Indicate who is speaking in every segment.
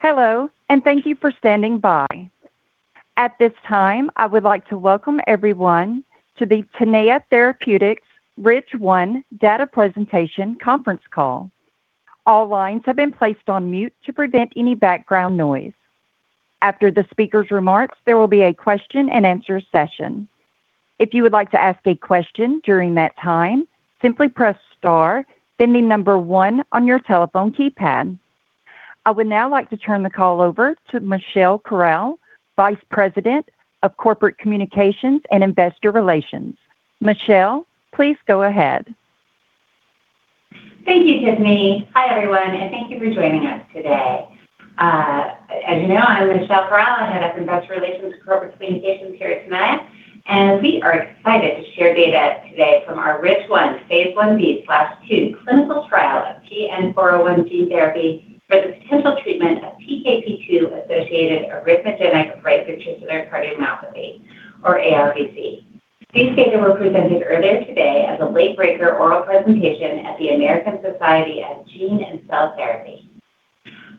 Speaker 1: Hello, and thank you for standing by. At this time, I would like to welcome everyone to the Tenaya Therapeutics RIDGE-1 Data Presentation Conference Call. All lines have been placed on mute to prevent any background noise. After the speaker's remarks, there will be a question and answer session. If you would like to ask a question during that time, simply press star, then the number one on your telephone keypad. I would now like to turn the call over to Michelle Corral, Vice President of Corporate Communications and Investor Relations. Michelle, please go ahead.
Speaker 2: Thank you, Tiffany. Hi, everyone, and thank you for joining us today. As you know, I'm Michelle Corral, Head of Investor Relations and Corporate Communications here at Tenaya, and we are excited to share data today from our RIDGE-1 phase I-B/II clinical trial of TN-401 gene therapy for the potential treatment of PKP2-associated arrhythmogenic right ventricular cardiomyopathy, or ARVC. These data were presented earlier today as a late breaker oral presentation at the American Society of Gene & Cell Therapy.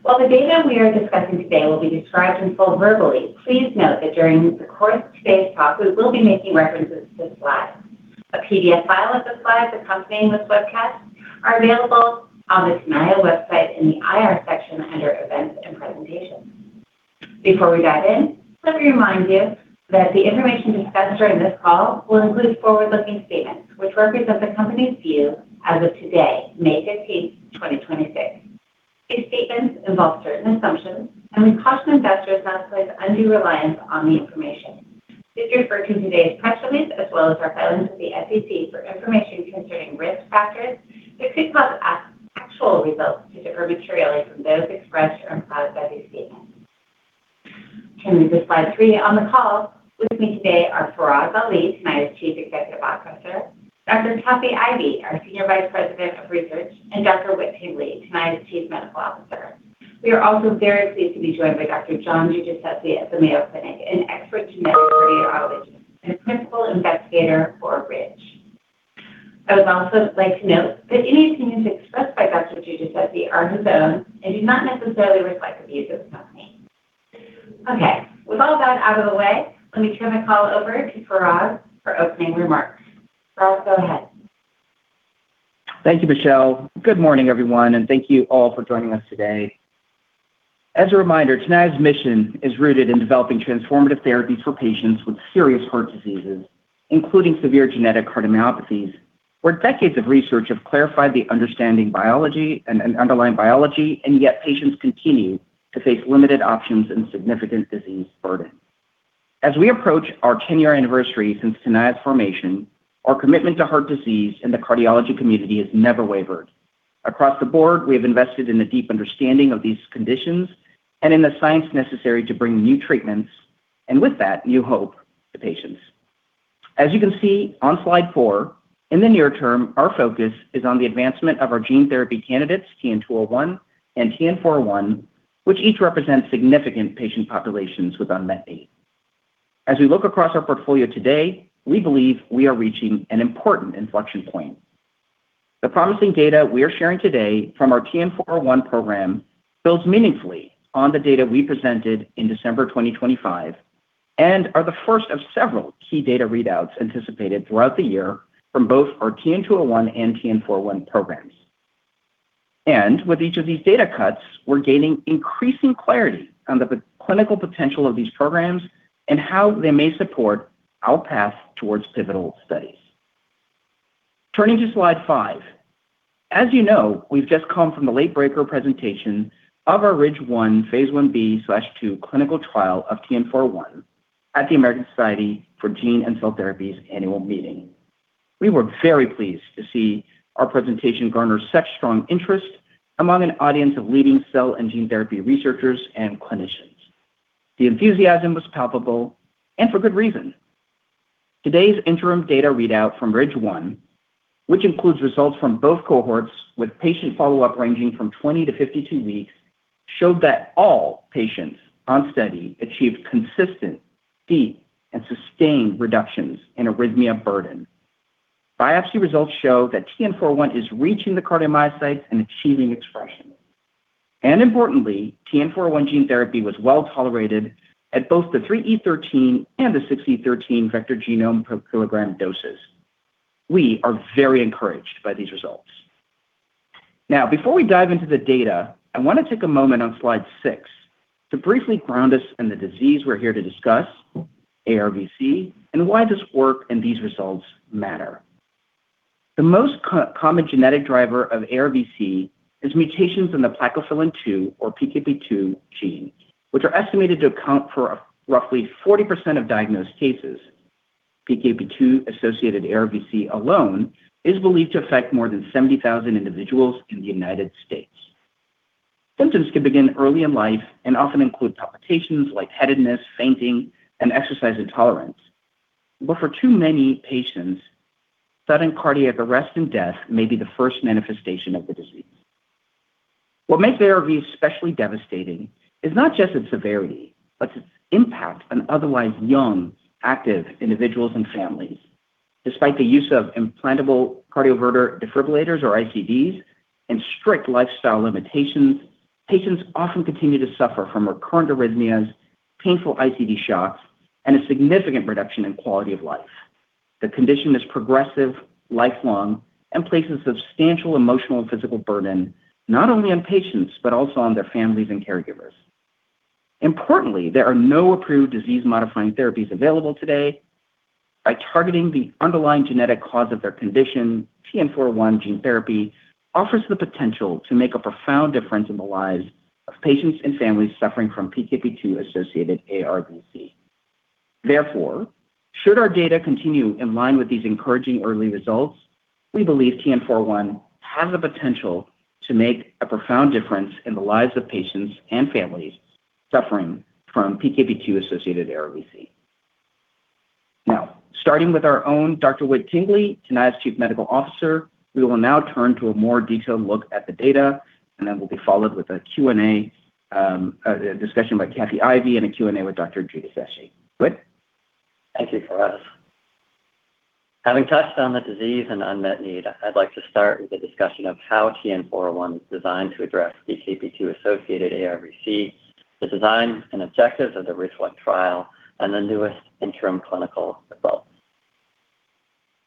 Speaker 2: While the data we are discussing today will be described in full verbally, please note that during the course of today's talk, we will be making references to slides. A PDF file of the slides accompanying this webcast are available on the Tenaya website in the IR section under Events and Presentations. Before we dive in, let me remind you that the information discussed during this call will include forward-looking statements which represent the company's view as of today, May 15, 2026. These statements involve certain assumptions, and we caution investors not to place undue reliance on the information. Please refer to today's press release as well as our filings with the SEC for information concerning risk factors that could cause actual results to differ materially from those expressed or implied by these statements. Turning to slide 3 on the call, with me today are Faraz Ali, Tenaya's Chief Executive Officer, Dr. Kathy Ivey, our Senior Vice President of Research, and Dr. Whit Tingley, Tenaya's Chief Medical Officer. We are also very pleased to be joined by Dr. John R. Giudicessi at the Mayo Clinic, an expert in genetic cardiology and a principal investigator for RIDGE. I would also like to note that any opinions expressed by Dr. Giudicessi are his own and do not necessarily reflect the views of the company. Okay. With all that out of the way, let me turn the call over to Faraz for opening remarks. Faraz, go ahead.
Speaker 3: Thank you, Michelle. Good morning, everyone, and thank you all for joining us today. As a reminder, Tenaya's mission is rooted in developing transformative therapies for patients with serious heart diseases, including severe genetic cardiomyopathies, where decades of research have clarified the understanding biology and underlying biology, and yet patients continue to face limited options and significant disease burden. As we approach our 10-year anniversary since Tenaya's formation, our commitment to heart disease and the cardiology community has never wavered. Across the board, we have invested in the deep understanding of these conditions and in the science necessary to bring new treatments, and with that, new hope to patients. As you can see on slide 4, in the near term, our focus is on the advancement of our gene therapy candidates, TN-201 and TN-401, which each represent significant patient populations with unmet need. As we look across our portfolio today, we believe we are reaching an important inflection point. The promising data we are sharing today from our TN-401 program builds meaningfully on the data we presented in December 2025 and are the first of several key data readouts anticipated throughout the year from both our TN-201 and TN-401 programs. With each of these data cuts, we're gaining increasing clarity on the clinical potential of these programs and how they may support our path towards pivotal studies. Turning to slide 5. As you know, we've just come from the late breaker presentation of our RIDGE-1 phase I-B/II clinical trial of TN-401 at the American Society of Gene & Cell Therapy's annual meeting. We were very pleased to see our presentation garner such strong interest among an audience of leading cell and gene therapy researchers and clinicians. The enthusiasm was palpable and for good reason. Today's interim data readout from RIDGE-1, which includes results from both cohorts with patient follow-up ranging from 20-52 weeks, showed that all patients on study achieved consistent, deep, and sustained reductions in arrhythmia burden. Biopsy results show that TN-401 is reaching the cardiomyocytes and achieving expression. Importantly, TN-401 gene therapy was well-tolerated at both the 3E13 and the 6E13 vector genomes per kilogram doses. We are very encouraged by these results. Before we dive into the data, I wanna take a moment on slide six to briefly ground us in the disease we're here to discuss, ARVC, and why this work and these results matter. The most common genetic driver of ARVC is mutations in the plakophilin-2 or PKP2 gene, which are estimated to account for roughly 40% of diagnosed cases. PKP2 associated ARVC alone is believed to affect more than 70,000 individuals in the United States. Symptoms can begin early in life and often include palpitations, lightheadedness, fainting, and exercise intolerance. For too many patients, sudden cardiac arrest and death may be the first manifestation of the disease. What makes ARVC especially devastating is not just its severity, but its impact on otherwise young, active individuals and families. Despite the use of implantable cardioverter-defibrillators or ICDs and strict lifestyle limitations, patients often continue to suffer from recurrent arrhythmias, painful ICD shocks, and a significant reduction in quality of life. The condition is progressive, lifelong, and places substantial emotional and physical burden not only on patients, but also on their families and caregivers. Importantly, there are no approved disease-modifying therapies available today. By targeting the underlying genetic cause of their condition, TN-401 gene therapy offers the potential to make a profound difference in the lives of patients and families suffering from PKP2-associated ARVC. Therefore, should our data continue in line with these encouraging early results, we believe TN-401 has the potential to make a profound difference in the lives of patients and families suffering from PKP2-associated ARVC. Starting with our own Dr. Whit Tingley, Tenaya's Chief Medical Officer, we will now turn to a more detailed look at the data, and that will be followed with a Q&A, a discussion by Kathy Ivey and a Q&A with Dr. John Giudicessi. Whit?
Speaker 4: Thank you, Faraz. Having touched on the disease and unmet need, I'd like to start with a discussion of how TN-401 is designed to address PKP2-associated ARVC, the design and objectives of the RIDGE-1 trial, and the newest interim clinical results.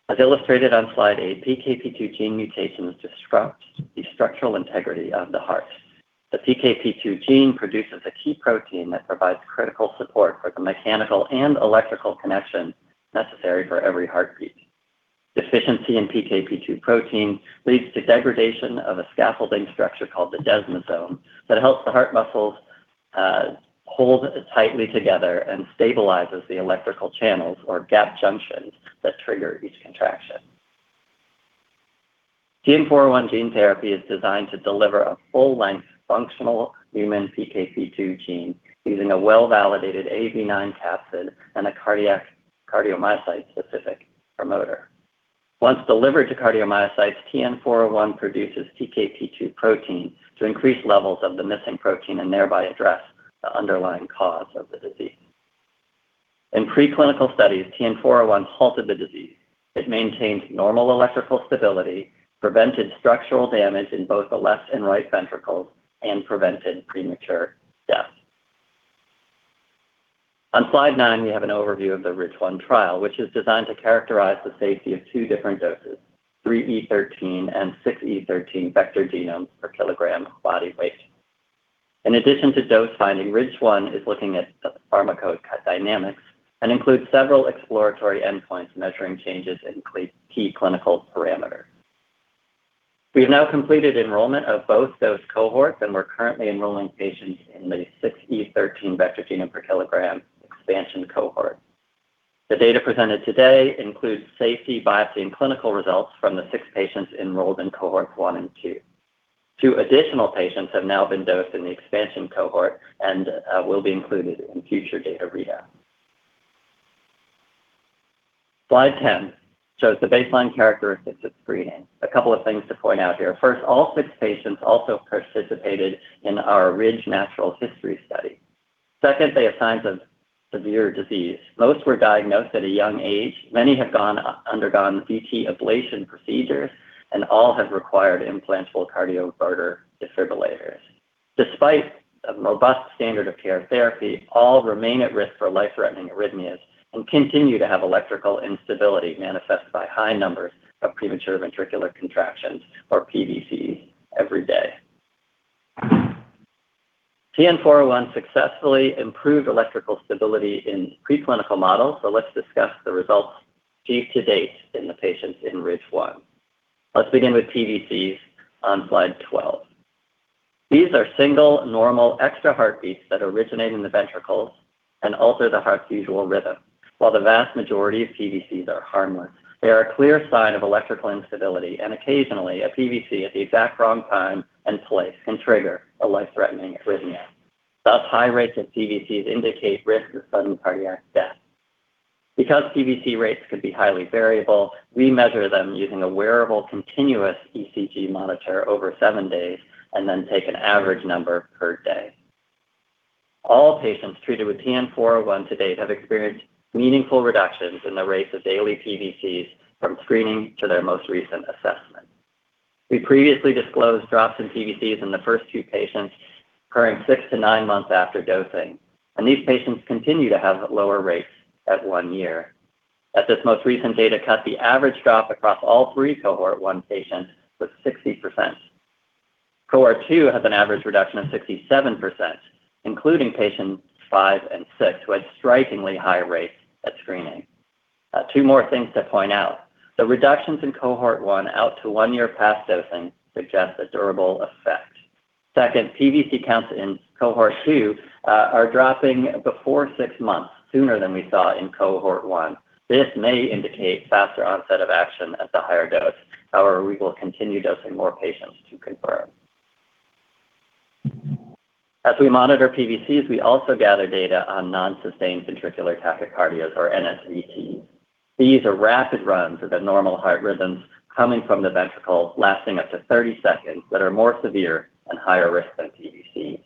Speaker 4: As illustrated on slide 8, PKP2 gene mutations disrupt the structural integrity of the heart. The PKP2 gene produces a key protein that provides critical support for the mechanical and electrical connection necessary for every heartbeat. Deficiency in PKP2 protein leads to degradation of a scaffolding structure called the desmosome that helps the heart muscles hold tightly together and stabilizes the electrical channels or gap junctions that trigger each contraction. TN-401 gene therapy is designed to deliver a full-length functional human PKP2 gene using a well-validated AAV9 capsid and a cardiac cardiomyocyte-specific promoter. Once delivered to cardiomyocytes, TN-401 produces PKP2 protein to increase levels of the missing protein and thereby address the underlying cause of the disease. In preclinical studies, TN-401 halted the disease. It maintained normal electrical stability, prevented structural damage in both the left and right ventricles, and prevented premature death. On slide 9, we have an overview of the RIDGE-1 trial, which is designed to characterize the safety of two different doses, 3E13 and 6E13 vector genomes per kilogram body weight. In addition to dose finding, RIDGE-1 is looking at the pharmacodynamics and includes several exploratory endpoints measuring changes in key clinical parameters. We have now completed enrollment of both those cohorts, and we're currently enrolling patients in the 6E13 vector genomes per kilogram expansion cohort. The data presented today includes safety, biopsy, and clinical results from the six patients enrolled in cohorts 1 and 2. 2 additional patients have now been dosed in the expansion cohort, will be included in future data readouts. Slide 10 shows the baseline characteristics of screening. A couple of things to point out here. First, all six patients also participated in our RIDGE natural history study. Second, they have signs of severe disease. Most were diagnosed at a young age. Many have undergone catheter ablation procedures, all have required implantable cardioverter-defibrillators. Despite a robust standard of care therapy, all remain at risk for life-threatening arrhythmias, continue to have electrical instability manifested by high numbers of premature ventricular contractions or PVC every day. TN-401 successfully improved electrical stability in preclinical models, let's discuss the results to date in the patients in RIDGE-1. Let's begin with PVCs on slide 12. These are single, normal, extra heartbeats that originate in the ventricles and alter the heart's usual rhythm. While the vast majority of PVCs are harmless, they are a clear sign of electrical instability, and occasionally a PVC at the exact wrong time and place can trigger a life-threatening arrhythmia. Thus, high rates of PVCs indicate risk of sudden cardiac death. Because PVC rates could be highly variable, we measure them using a wearable continuous ECG monitor over seven days and then take an average number per day. All patients treated with TN-401 to date have experienced meaningful reductions in the rates of daily PVCs from screening to their most recent assessment. We previously disclosed drops in PVCs in the first two patients occurring 6-9 months after dosing, and these patients continue to have lower rates at one year. At this most recent data cut, the average drop across all three cohort 1 patients was 60%. Cohort two has an average reduction of 67%, including patients five and six, who had strikingly high rates at screening. Two more things to point out. The reductions in cohort one out to one year past dosing suggest a durable effect. Second, PVC counts in cohort 2 are dropping before six months, sooner than we saw in cohort 1. This may indicate faster onset of action at the higher dose. However, we will continue dosing more patients to confirm. As we monitor PVCs, we also gather data on non-sustained ventricular tachycardias or NSVT. These are rapid runs of the normal heart rhythms coming from the ventricle lasting up to 30 seconds that are more severe and higher risk than PVC.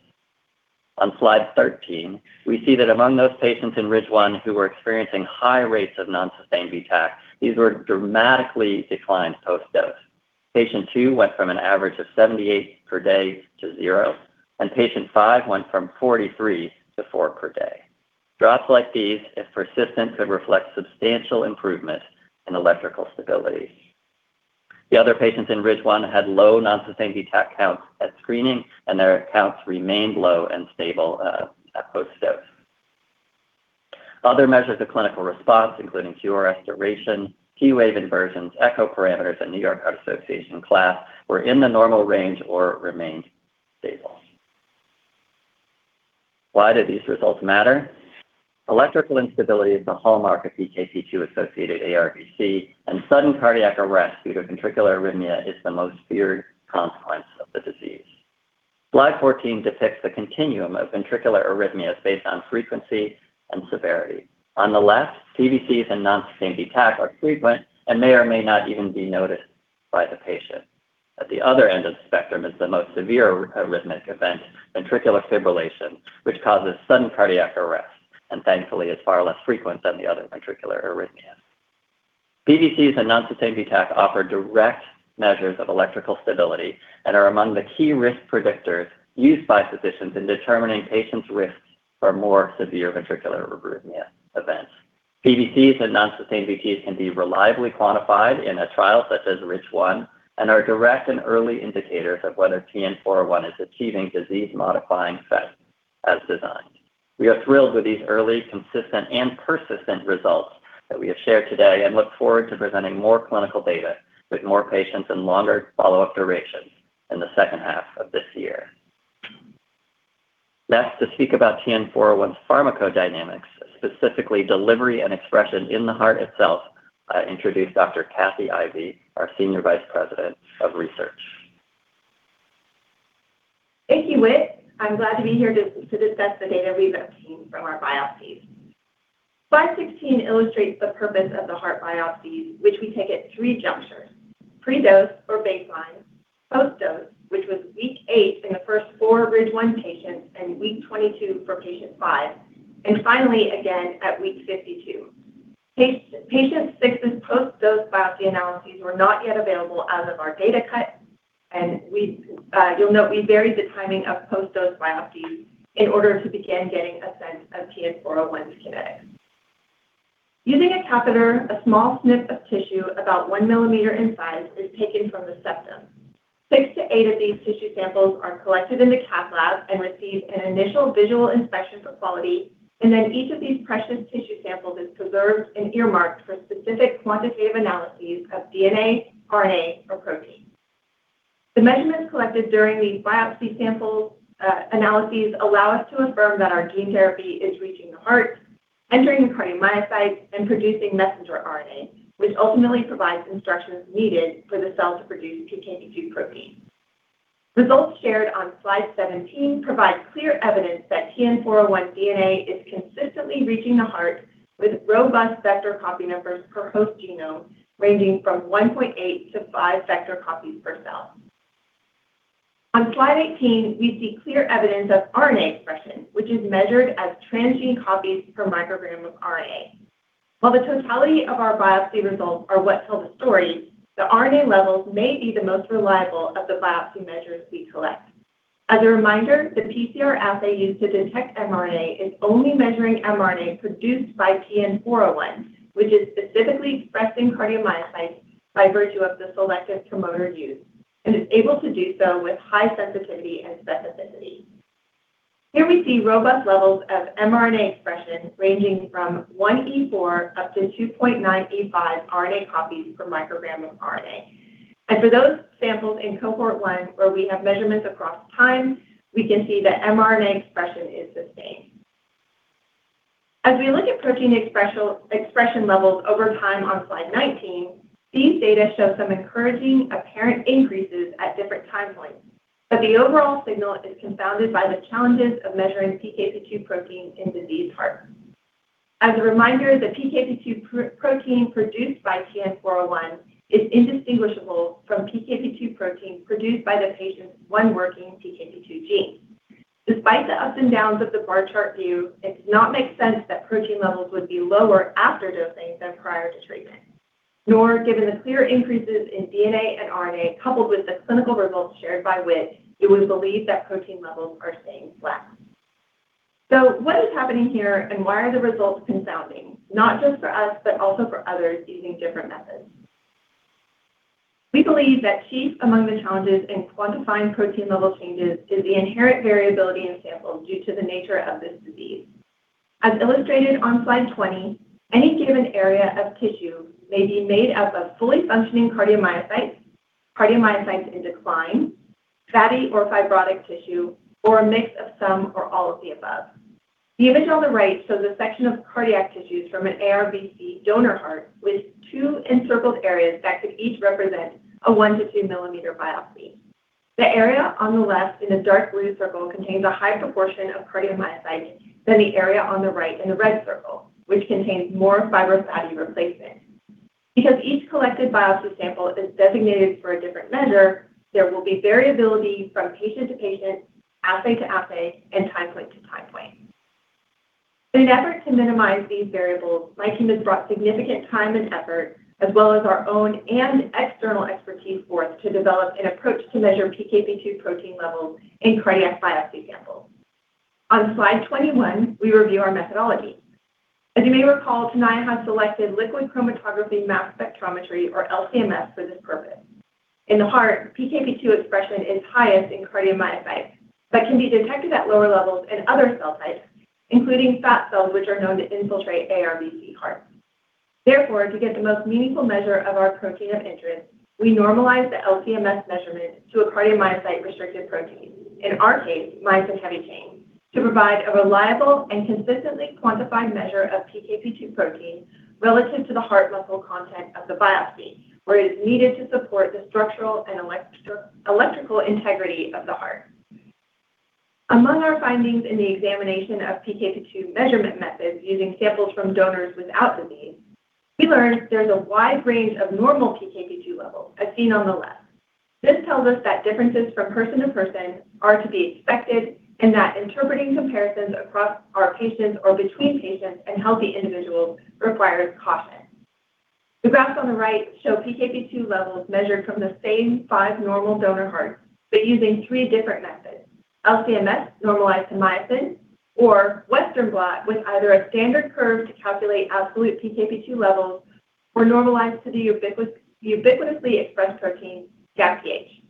Speaker 4: On slide 13, we see that among those patients in RIDGE-1 who were experiencing high rates of non-sustained VTach, these were dramatically declined post-dose. Patient two went from an average of 78 per day to zero, and Patient five went from 43 to four per day. Drops like these, if persistent, could reflect substantial improvement in electrical stability. The other patients in RIDGE-1 had low non-sustained VTach counts at screening, and their counts remained low and stable at post-dose. Other measures of clinical response, including QRS duration, T-wave inversions, echo parameters, and New York Heart Association class were in the normal range or remained stable. Why do these results matter? Electrical instability is the hallmark of PKP2-associated ARVC, and sudden cardiac arrest due to ventricular arrhythmia is the most feared consequence of the disease. Slide 14 depicts the continuum of ventricular arrhythmias based on frequency and severity. On the left, PVCs and non-sustained VTach are frequent and may or may not even be noticed by the patient. At the other end of the spectrum is the most severe arrhythmic event, ventricular fibrillation, which causes sudden cardiac arrest and thankfully is far less frequent than the other ventricular arrhythmias. PVCs and non-sustained VTs can be reliably quantified in a trial such as RIDGE-1 and are direct and early indicators of whether TN-401 is achieving disease-modifying effects as designed. We are thrilled with these early, consistent and persistent results that we have shared today and look forward to presenting more clinical data with more patients and longer follow-up durations in the second half of this year. Next, to speak about TN-401 pharmacodynamics, specifically delivery and expression in the heart itself, I introduce Dr. Kathy Ivey, our Senior Vice President of Research.
Speaker 5: Thank you, Whit. I'm glad to be here to discuss the data we've obtained from our biopsies. Slide 16 illustrates the purpose of the heart biopsies, which we take at three junctures, pre-dose or baseline, post-dose, which was week eight in the first 4 RIDGE-1 patients, and week 22 for patient 5. Finally, again at week 52. Patient 6's post-dose biopsy analyses were not yet available out of our data cut. You'll note we varied the timing of post-dose biopsies in order to begin getting a sense of TN-401 kinetics. Using a catheter, a small snip of tissue about 1 millimeter in size is taken from the septum. Six to eight of these tissue samples are collected in the cath lab and receive an initial visual inspection for quality. Each of these precious tissue samples is preserved and earmarked for specific quantitative analyses of DNA, RNA, or protein. The measurements collected during these biopsy samples analyses allow us to affirm that our gene therapy is reaching the heart, entering the cardiomyocytes, and producing messenger RNA, which ultimately provides instructions needed for the cell to produce PKP2 protein. Results shared on Slide 17 provide clear evidence that TN-401 DNA is consistently reaching the heart with robust vector copy numbers per host genome ranging from 1.8-5 vector copies per cell. On Slide 18, we see clear evidence of RNA expression, which is measured as transgene copies per microgram of RNA. While the totality of our biopsy results are what tell the story, the RNA levels may be the most reliable of the biopsy measures we collect. As a reminder, the PCR assay used to detect mRNA is only measuring mRNA produced by TN-401, which is specifically expressed in cardiomyocytes by virtue of the selective promoter use and is able to do so with high sensitivity and specificity. Here we see robust levels of mRNA expression ranging from 1E4 up to 2.9E5 RNA copies per microgram of RNA. For those samples in cohort 1 where we have measurements across time, we can see that mRNA expression is the same. As we look at protein expression levels over time on Slide 19, these data show some encouraging apparent increases at different time points. The overall signal is confounded by the challenges of measuring PKP2 protein in diseased heart. As a reminder, the PKP2 pro-protein produced by TN-401 is indistinguishable from PKP2 protein produced by the patient's one working PKP2 gene. Despite the ups and downs of the bar chart view, it does not make sense that protein levels would be lower after dosing than prior to treatment. Given the clear increases in DNA and RNA, coupled with the clinical results shared by Whit, it would believe that protein levels are staying flat. What is happening here and why are the results confounding, not just for us, but also for others using different methods? We believe that chief among the challenges in quantifying protein level changes is the inherent variability in samples due to the nature of this disease. As illustrated on Slide 20, any given area of tissue may be made up of fully functioning cardiomyocytes in decline, fatty or fibrotic tissue, or a mix of some or all of the above. The image on the right shows a section of cardiac tissues from an ARVC donor heart with two encircled areas that could each represent a 1-2 millimeter biopsy. The area on the left in the dark blue circle contains a high proportion of cardiomyocytes than the area on the right in the red circle, which contains more fibrous fatty replacement. Because each collected biopsy sample is designated for a different measure, there will be variability from patient to patient, assay to assay, and time point to time point. In an effort to minimize these variables, my team has brought significant time and effort, as well as our own and external expertise forth to develop an approach to measure PKP2 protein levels in cardiac biopsy samples. On slide 21, we review our methodology. As you may recall, Tenaya has selected liquid chromatography mass spectrometry, or LC-MS, for this purpose. In the heart, PKP2 expression is highest in cardiomyocytes, but can be detected at lower levels in other cell types, including fat cells, which are known to infiltrate ARVC hearts. Therefore, to get the most meaningful measure of our protein of interest, we normalize the LC-MS measurement to a cardiomyocyte-restricted protein, in our case, myosin heavy chain, to provide a reliable and consistently quantified measure of PKP2 protein relative to the heart muscle content of the biopsy, where it is needed to support the structural and electrical integrity of the heart. Among our findings in the examination of PKP2 measurement methods using samples from donors without disease, we learned there is a wide range of normal PKP2 levels, as seen on the left. This tells us that differences from person to person are to be expected and that interpreting comparisons across our patients or between patients and healthy individuals requires caution. The graphs on the right show PKP2 levels measured from the same 5 normal donor hearts, but using three different methods. LC-MS normalized to myosin or Western blot with either a standard curve to calculate absolute PKP2 levels were normalized to the ubiquitously expressed protein GAPDH.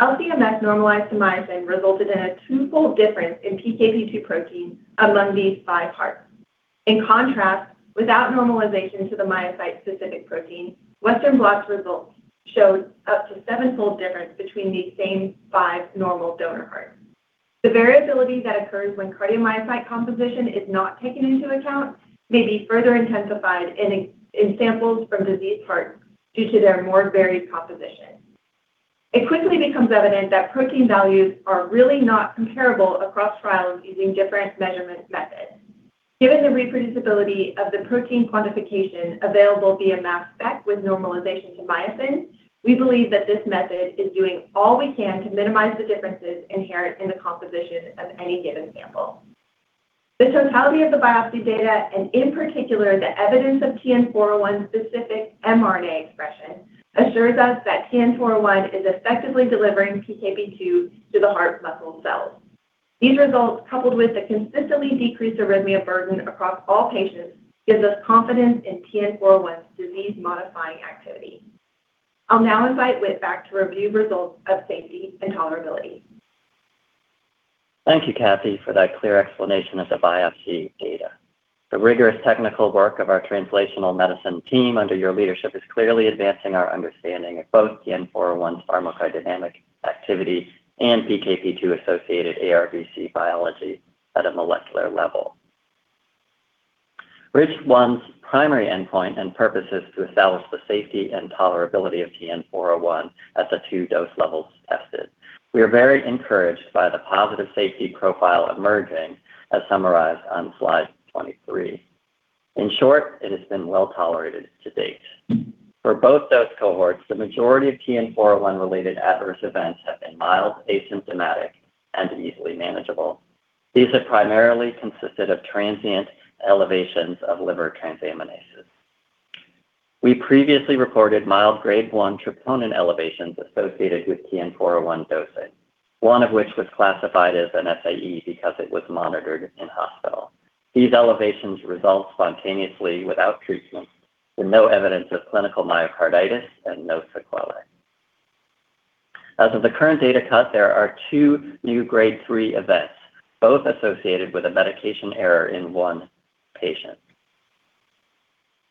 Speaker 5: LC-MS normalized to myosin resulted in a twofold difference in PKP2 protein among these five hearts. In contrast, without normalization to the myocyte-specific protein, Western blot's results showed up to sevenfold difference between these same five normal donor hearts. The variability that occurs when cardiomyocyte composition is not taken into account may be further intensified in samples from diseased hearts due to their more varied composition. It quickly becomes evident that protein values are really not comparable across trials using different measurement methods. Given the reproducibility of the protein quantification available via Mass spectrometry with normalization to myosin, we believe that this method is doing all we can to minimize the differences inherent in the composition of any given sample. The totality of the biopsy data, and in particular the evidence of TN-401-specific mRNA expression, assures us that TN-401 is effectively delivering PKP2 to the heart muscle cells. These results, coupled with the consistently decreased arrhythmia burden across all patients, gives us confidence in TN-401's disease-modifying activity. I'll now invite Whit back to review results of safety and tolerability.
Speaker 4: Thank you, Kathy, for that clear explanation of the biopsy data. The rigorous technical work of our translational medicine team under your leadership is clearly advancing our understanding of both TN-401's pharmacodynamic activity and PKP2-associated ARVC biology at a molecular level. RIDGE-1's primary endpoint and purpose is to establish the safety and tolerability of TN-401 at the 2 dose levels tested. We are very encouraged by the positive safety profile emerging as summarized on slide 23. In short, it has been well tolerated to date. For both dose cohorts, the majority of TN-401-related adverse events have been mild, asymptomatic, and easily manageable. These have primarily consisted of transient elevations of liver transaminases. We previously reported mild grade 1 troponin elevations associated with TN-401 dosing, one of which was classified as an SAE because it was monitored in-hospital. These elevations resolved spontaneously without treatment, with no evidence of clinical myocarditis and no sequelae. As of the current data cut, there are two new grade 3 events, both associated with a medication error in one patient.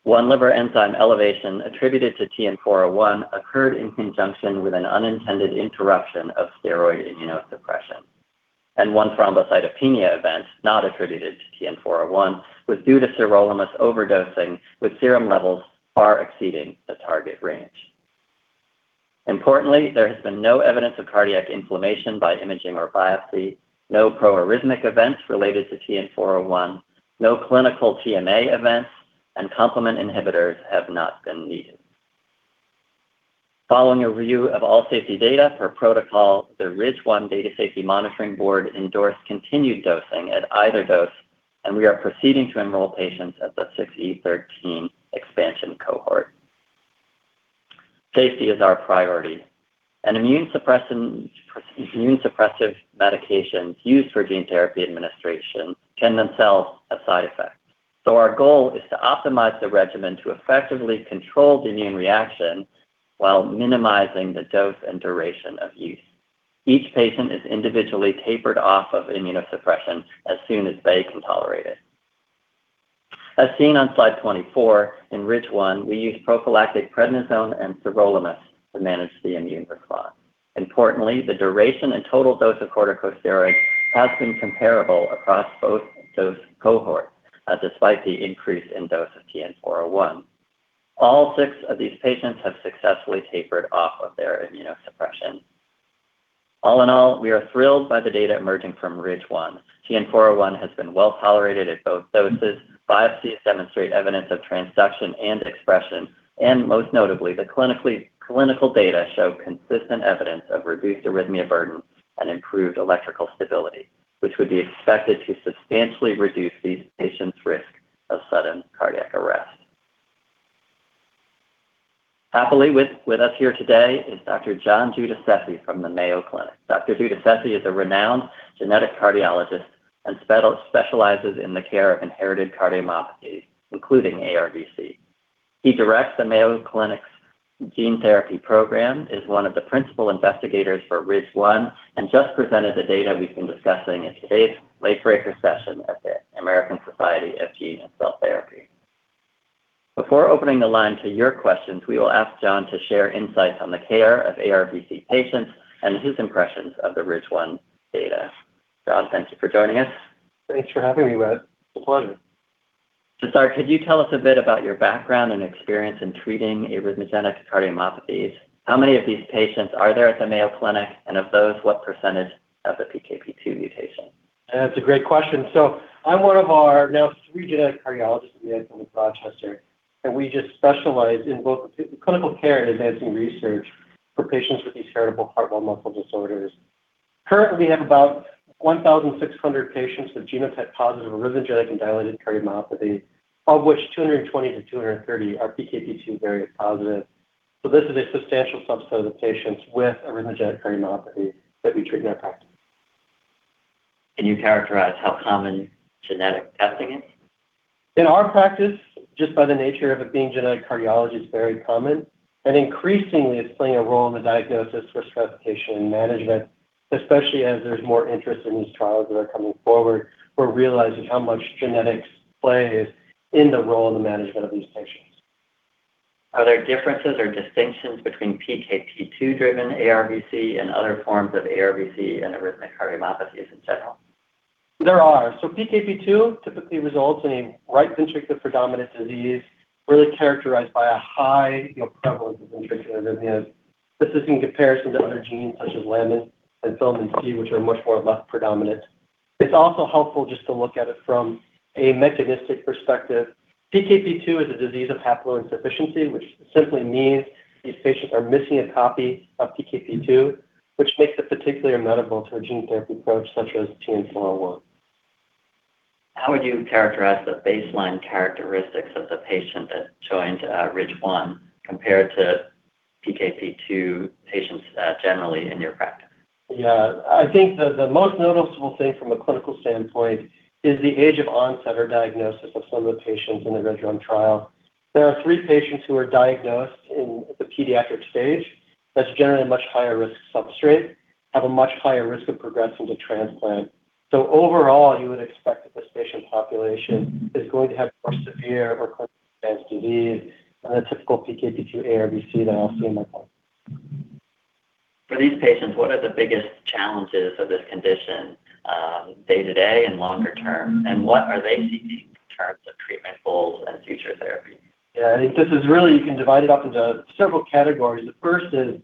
Speaker 4: 1 liver enzyme elevation attributed to TN-401 occurred in conjunction with an unintended interruption of steroid immunosuppression. 1 thrombocytopenia event not attributed to TN-401 was due to sirolimus overdosing with serum levels far exceeding the target range. Importantly, there has been no evidence of cardiac inflammation by imaging or biopsy, no pro-arrhythmic events related to TN-401, no clinical TMA events, and complement inhibitors have not been needed. Following a review of all safety data per protocol, the RIDGE-1 Data Safety Monitoring Board endorsed continued dosing at either dose, and we are proceeding to enroll patients at the 6E13 expansion cohort. Safety is our priority. Immuno-suppressive medications used for gene therapy administration can themselves have side effects. Our goal is to optimize the regimen to effectively control the immune reaction while minimizing the dose and duration of use. Each patient is individually tapered off of immunosuppression as soon as they can tolerate it. As seen on slide 24, in RIDGE-1, we use prophylactic prednisone and sirolimus to manage the immune response. Importantly, the duration and total dose of corticosteroids has been comparable across both dose cohorts despite the increase in dose of TN-401. All 6 of these patients have successfully tapered off of their immunosuppression. All in all, we are thrilled by the data emerging from RIDGE-1. TN-401 has been well tolerated at both doses. Biopsies demonstrate evidence of transduction and expression. Most notably, the clinical data show consistent evidence of reduced arrhythmia burden and improved electrical stability, which would be expected to substantially reduce these patients' risk of sudden cardiac arrest. Happily, with us here today is Dr. John Giudicessi from the Mayo Clinic. Dr. Giudicessi is a renowned genetic cardiologist and specializes in the care of inherited cardiomyopathies, including ARVC. He directs the Mayo Clinic's Gene Therapy Program, is one of the principal investigators for RIDGE-1, and just presented the data we've been discussing at today's late-breaker session at the American Society of Gene & Cell Therapy. Before opening the line to your questions, we will ask John to share insights on the care of ARVC patients and his impressions of the RIDGE-1 data. John, thank you for joining us.
Speaker 6: Thanks for having me, Whit. It's a pleasure.
Speaker 4: To start, could you tell us a bit about your background and experience in treating arrhythmogenic cardiomyopathies? How many of these patients are there at the Mayo Clinic, and of those, what % have the PKP2 mutation?
Speaker 6: That's a great question. I'm one of our now 3 genetic cardiologists at the Mayo Clinic, Rochester, and we just specialize in both clinical care and advancing research for patients with these heritable heart or muscle disorders. Currently, we have about 1,600 patients with genotype-positive arrhythmogenic and dilated cardiomyopathy, of which 220 to 230 are PKP2 variant positive. This is a substantial subset of the patients with arrhythmogenic cardiomyopathy that we treat in our practice.
Speaker 4: Can you characterize how common genetic testing is?
Speaker 6: In our practice, just by the nature of it being genetic cardiology, it is very common. Increasingly, it is playing a role in the diagnosis for stratification and management, especially as there is more interest in these trials that are coming forward. We are realizing how much genetics plays in the role in the management of these patients.
Speaker 4: Are there differences or distinctions between PKP2-driven ARVC and other forms of ARVC and arrhythmic cardiomyopathies in general?
Speaker 6: There are. PKP2 typically results in a right ventricular predominant disease, really characterized by a high, you know, prevalence of ventricular arrhythmias. This is in comparison to other genes such as lamin and filamin C, which are much more left predominant. It's also helpful just to look at it from a mechanistic perspective. PKP2 is a disease of haploinsufficiency, which simply means these patients are missing a copy of PKP2, which makes it particularly amenable to a gene therapy approach such as TN-401.
Speaker 4: How would you characterize the baseline characteristics of the patient that joined, RIDGE-1 compared to PKP2 patients, generally in your practice?
Speaker 6: Yeah. I think the most noticeable thing from a clinical standpoint is the age of onset or diagnosis of some of the patients in the RIDGE-1 trial. There are three patients who are diagnosed in the pediatric stage. That's generally a much higher risk substrate, have a much higher risk of progressing to transplant. Overall, you would expect that this patient population is going to have more severe or advanced disease than a typical PKP2 ARVC that I'll see in my practice.
Speaker 4: For these patients, what are the biggest challenges of this condition, day-to-day and longer term? What are they seeking in terms of treatment goals and future therapy?
Speaker 6: Yeah. You can divide it up into several categories. The first is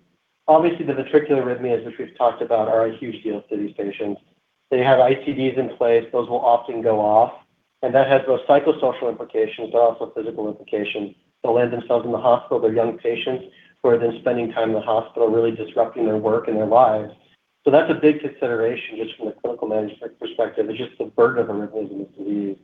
Speaker 6: obviously the ventricular arrhythmias, which we've talked about are a huge deal to these patients. They have ICDs in place. Those will often go off. That has both psychosocial implications, but also physical implications. They'll land themselves in the hospital. They're young patients who are then spending time in the hospital, really disrupting their work and their lives. That's a big consideration just from a clinical management perspective. It's just the burden of reversing this disease.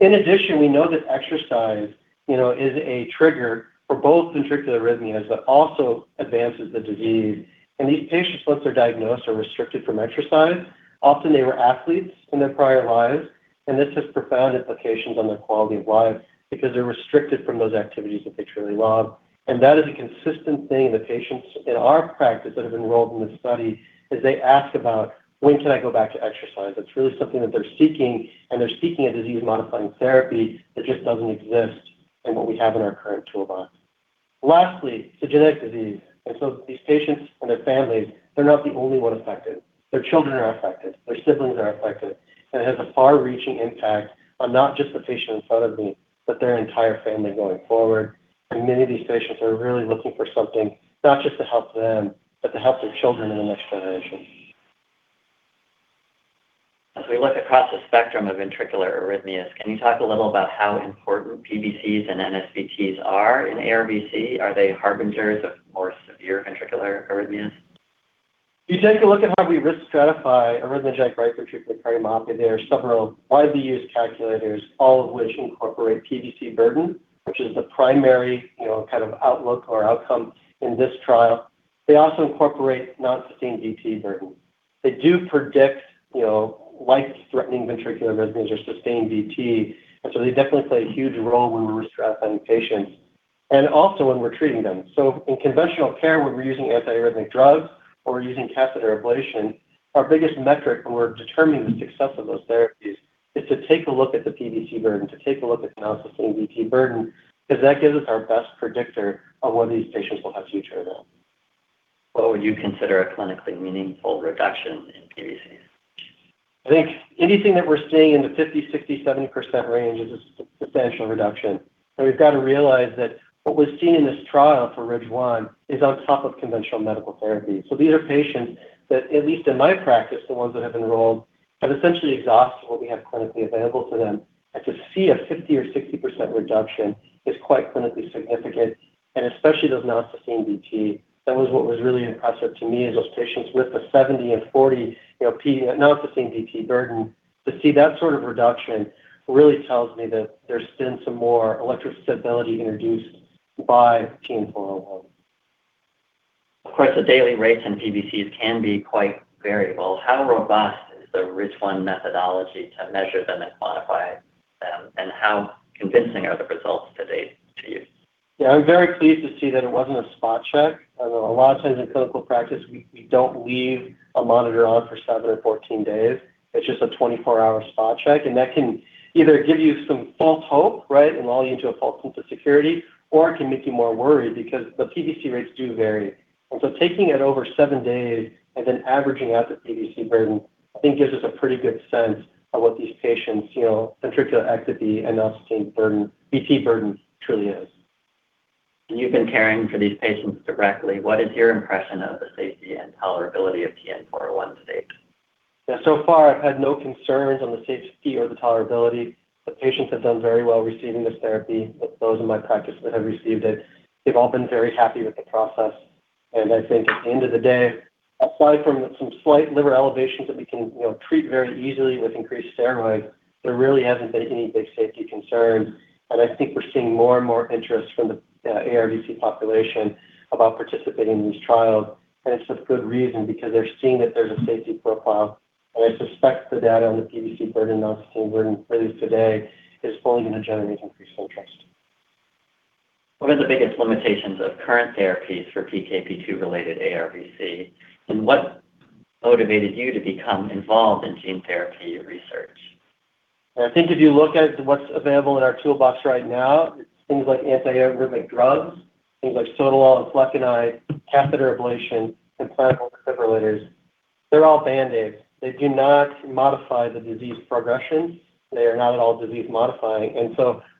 Speaker 6: In addition, we know that exercise, you know, is a trigger for both ventricular arrhythmias but also advances the disease. These patients, once they're diagnosed, are restricted from exercise. Often, they were athletes in their prior lives, this has profound implications on their quality of life because they're restricted from those activities that they truly love. That is a consistent thing the patients in our practice that have enrolled in this study is they ask about, "When can I go back to exercise?" It's really something that they're seeking, and they're seeking a disease-modifying therapy that just doesn't exist in what we have in our current toolbox. Lastly, it's a genetic disease. These patients and their families, they're not the only one affected. Their children are affected. Their siblings are affected. It has a far-reaching impact on not just the patient in front of me, but their entire family going forward. Many of these patients are really looking for something not just to help them but to help their children in the next generation.
Speaker 4: As we look across the spectrum of ventricular arrhythmias, can you talk a little about how important PVCs and NSVT are in ARVC? Are they harbingers of more severe ventricular arrhythmias?
Speaker 6: You take a look at how we risk stratify arrhythmogenic right ventricular cardiomyopathy. There are several widely used calculators, all of which incorporate PVC burden, which is the primary, you know, kind of outlook or outcome in this trial. They also incorporate non-sustained VT burden. They do predict, you know, life-threatening ventricular arrhythmias or sustained VT. They definitely play a huge role when we're stratifying patients and also when we're treating them. In conventional care, when we're using anti-arrhythmic drugs or we're using catheter ablation, our biggest metric when we're determining the success of those therapies is to take a look at the PVC burden, to take a look at non-sustained VT burden because that gives us our best predictor of whether these patients will have future events.
Speaker 4: What would you consider a clinically meaningful reduction in PVC burden?
Speaker 6: I think anything that we're seeing in the 50%, 60%, 70% range is a substantial reduction. We've got to realize that what was seen in this trial for RIDGE-1 is on top of conventional medical therapy. These are patients that, at least in my practice, the ones that have enrolled, have essentially exhausted what we have clinically available to them. To see a 50% or 60% reduction is quite clinically significant, and especially those NSVT. That was what was really impressive to me is those patients with the 70 and 40, you know, NSVT burden. To see that sort of reduction really tells me that there's been some more electrostability introduced by TN-401.
Speaker 4: Of course, the daily rates in PVCs can be quite variable. How robust is the RIDGE-1 methodology to measure them and quantify them? How convincing are the results to date to you?
Speaker 6: Yeah, I'm very pleased to see that it wasn't a spot check. Although a lot of times in clinical practice, we don't leave a monitor on for seven or 14 days. It's just a 24-hour spot check. That can either give you some false hope, right? Lull you into a false sense of security, or it can make you more worried because the PVC rates do vary. Taking it over seven days and then averaging out the PVC burden, I think gives us a pretty good sense of what these patients, you know, ventricular activity and those VT burden truly is.
Speaker 4: You've been caring for these patients directly. What is your impression of the safety and tolerability of TN-401 to date?
Speaker 6: Yeah, so far, I've had no concerns on the safety or the tolerability. The patients have done very well receiving this therapy. Those in my practice that have received it, they've all been very happy with the process. I think at the end of the day, aside from some slight liver elevations that we can, you know, treat very easily with increased steroids, there really hasn't been any big safety concerns. I think we're seeing more and more interest from the ARVC population about participating in these trials. It's a good reason because they're seeing that there's a safety profile. I suspect the data on the PVC burden, non-sustained burden released today is only gonna generate increased interest.
Speaker 4: What are the biggest limitations of current therapies for PKP2-related ARVC? What motivated you to become involved in gene therapy research?
Speaker 6: I think if you look at what's available in our toolbox right now, it's things like antiarrhythmic drugs, things like sotalol and flecainide, catheter ablation, implantable defibrillators. They're all band-aids. They do not modify the disease progression. They are not at all disease-modifying.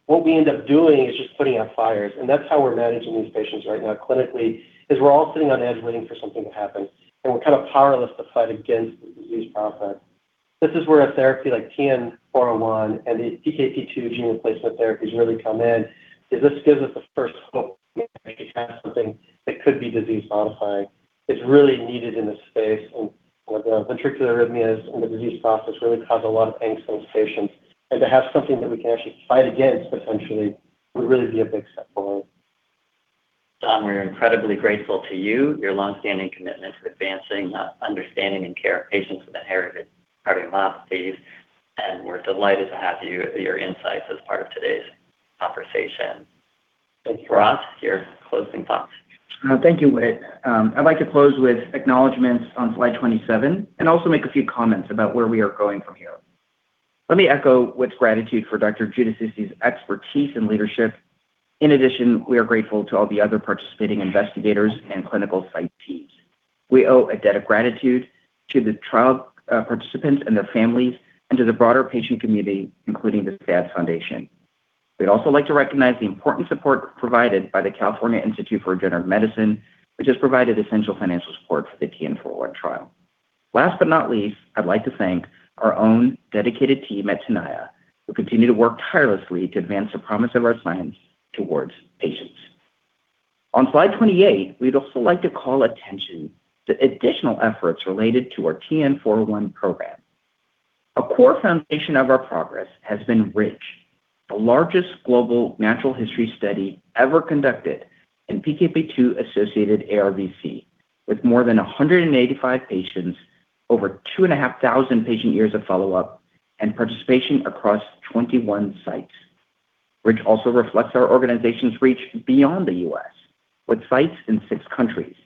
Speaker 6: What we end up doing is just putting out fires. That's how we're managing these patients right now clinically, is we're all sitting on edge waiting for something to happen, and we're kind of powerless to fight against the disease process. This is where a therapy like TN-401 and the PKP2 gene replacement therapies really come in, is this gives us the first hope that we have something that could be disease-modifying. It's really needed in this space. With the ventricular arrhythmias and the disease process really cause a lot of angst in patients. To have something that we can actually fight against essentially would really be a big step forward.
Speaker 4: John, we're incredibly grateful to you, your longstanding commitment to advancing understanding and care of patients with inherited cardiomyopathy. We're delighted to have your insights as part of today's conversation. Thanks Faraz, your closing thoughts.
Speaker 3: Thank you, Whit. I'd like to close with acknowledgments on slide 27 and also make a few comments about where we are going from here. Let me echo Whit's gratitude for Dr. Giudicessi's expertise and leadership. In addition, we are grateful to all the other participating investigators and clinical site teams. We owe a debt of gratitude to the trial participants and their families and to the broader patient community, including the SADS Foundation. We'd also like to recognize the important support provided by the California Institute for Regenerative Medicine, which has provided essential financial support for the TN-401 trial. Last but not least, I'd like to thank our own dedicated team at Tenaya, who continue to work tirelessly to advance the promise of our science towards patients. On slide 28, we'd also like to call attention to additional efforts related to our TN-401 program. A core foundation of our progress has been RIDGE, the largest global natural history study ever conducted in PKP2-associated ARVC, with more than 185 patients, over 2,500 patient years of follow-up, and participation across 21 sites. RIDGE also reflects our organization's reach beyond the U.S., with sites in six countries.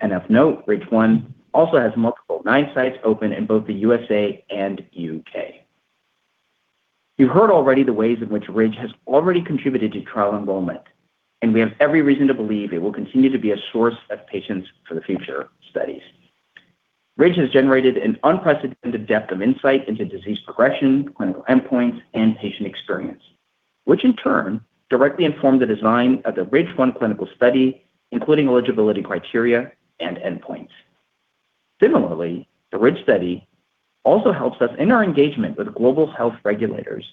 Speaker 3: Of note, RIDGE-1 also has multiple nine sites open in both the USA and U.K. You heard already the ways in which RIDGE has already contributed to trial enrollment, we have every reason to believe it will continue to be a source of patients for the future studies. RIDGE has generated an unprecedented depth of insight into disease progression, clinical endpoints, and patient experience, which in turn directly inform the design of the RIDGE-1 clinical study, including eligibility criteria and endpoints. Similarly, the RIDGE study also helps us in our engagement with global health regulators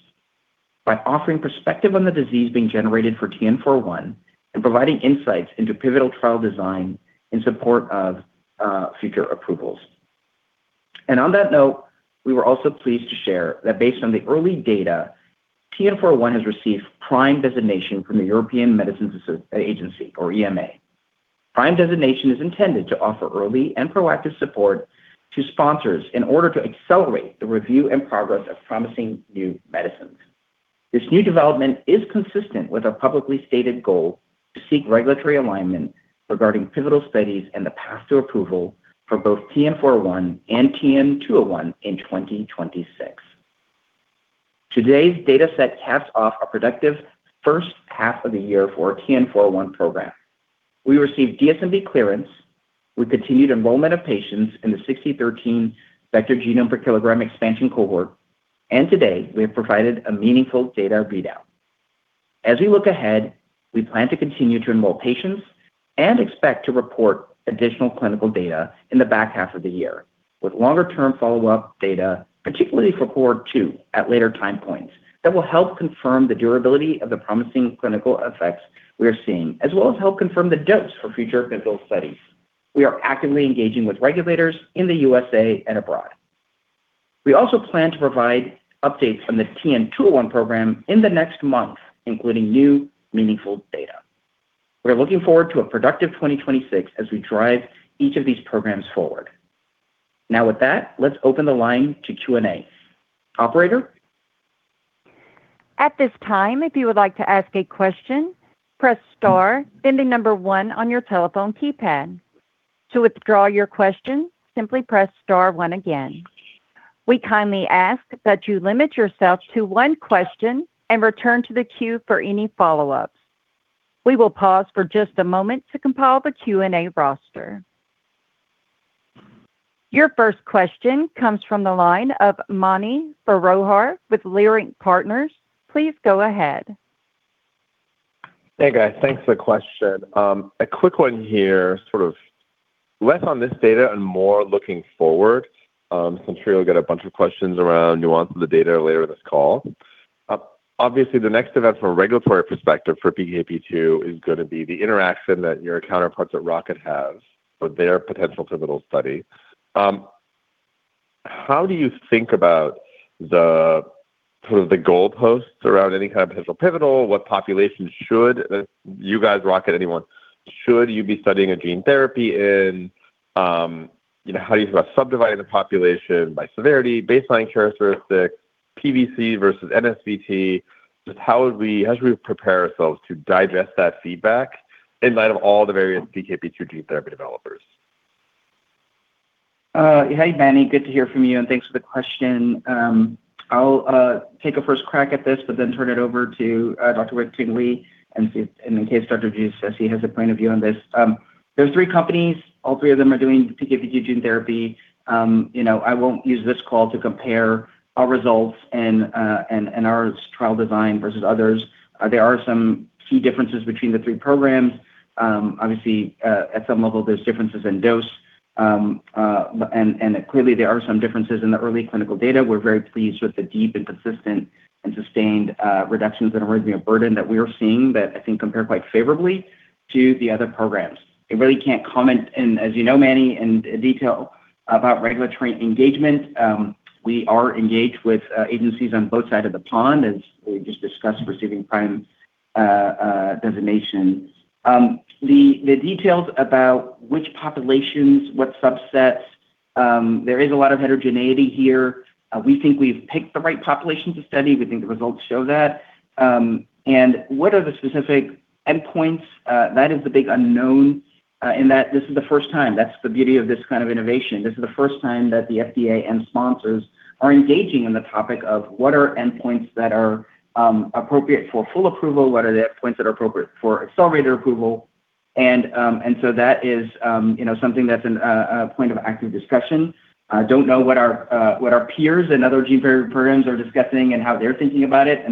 Speaker 3: by offering perspective on the disease being generated for TN-401 and providing insights into pivotal trial design in support of future approvals. On that note, we were also pleased to share that based on the early data, TN-401 has received PRIME designation from the European Medicines Agency, or EMA. PRIME designation is intended to offer early and proactive support to sponsors in order to accelerate the review and progress of promising new medicines. This new development is consistent with our publicly stated goal to seek regulatory alignment regarding pivotal studies and the path to approval for both TN-401 and TN-201 in 2026. Today's data set caps off a productive first half of the year for TN-401 program. We received DSMB clearance. We continued enrollment of patients in the 6E13 vector genomes per kilogram expansion cohort. Today, we have provided a meaningful data readout. As we look ahead, we plan to continue to enroll patients and expect to report additional clinical data in the back half of the year with longer-term follow-up data, particularly for cohort 2 at later time points that will help confirm the durability of the promising clinical effects we are seeing, as well as help confirm the dose for future clinical studies. We are actively engaging with regulators in the U.S. and abroad. We also plan to provide updates on the TN-201 program in the next month, including new meaningful data. We're looking forward to a productive 2026 as we drive each of these programs forward. Now with that, let's open the line to Q&A. Operator?
Speaker 1: We kindly ask that you limit yourself to one question and return to the queue for any follow-ups. We will pause for just a moment to compile the Q&A roster. Your first question comes from the line of Mani Foroohar with Leerink Partners. Please go ahead.
Speaker 7: Hey, guys. Thanks for the question. A quick one here, sort of less on this data and more looking forward, since we'll get a bunch of questions around nuance of the data later in this call. Obviously, the next event from a regulatory perspective for PKP2 is gonna be the interaction that your counterparts at Rocket have for their potential pivotal study. How do you think about the sort of the goalposts around any kind of potential pivotal? What populations should you guys, Rocket, anyone, should you be studying a gene therapy in? You know, how do you think about subdividing the population by severity, baseline characteristics, PVC versus NSVT? Just how should we prepare ourselves to digest that feedback in light of all the various PKP2 gene therapy developers?
Speaker 3: Hey, Mani. Good to hear from you, and thanks for the question. I'll take a first crack at this but then turn it over to Dr. Whit Tingley and see if and in case Dr. Giudicessi has a point of view on this. There's three companies. All three of them are doing PKP2 gene therapy. You know, I won't use this call to compare our results and our trial design versus others. There are some key differences between the three programs. Obviously, at some level, there's differences in dose. Clearly, there are some differences in the early clinical data. We're very pleased with the deep and consistent and sustained reductions in arrhythmia burden that we are seeing that I think compare quite favorably to the other programs. I really can't comment in, as you know, Mani, in detail about regulatory engagement. We are engaged with agencies on both sides of the pond, as we just discussed receiving PRIME designation. The details about which populations, what subsets, there is a lot of heterogeneity here. We think we've picked the right population to study. We think the results show that. What are the specific endpoints? That is the big unknown in that this is the first time. That's the beauty of this kind of innovation. This is the first time that the FDA and sponsors are engaging in the topic of what are endpoints that are appropriate for full approval, what are the endpoints that are appropriate for accelerated approval. That is, you know, something that's a point of active discussion. Don't know what our what our peers in other gene therapy programs are discussing and how they're thinking about it.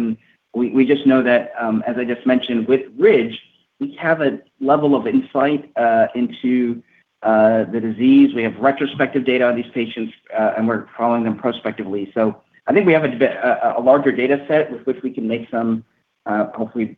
Speaker 3: We just know that, as I just mentioned with RIDGE, we have a level of insight into the disease. We have retrospective data on these patients, and we're following them prospectively. I think we have a bit a larger data set with which we can make some, hopefully,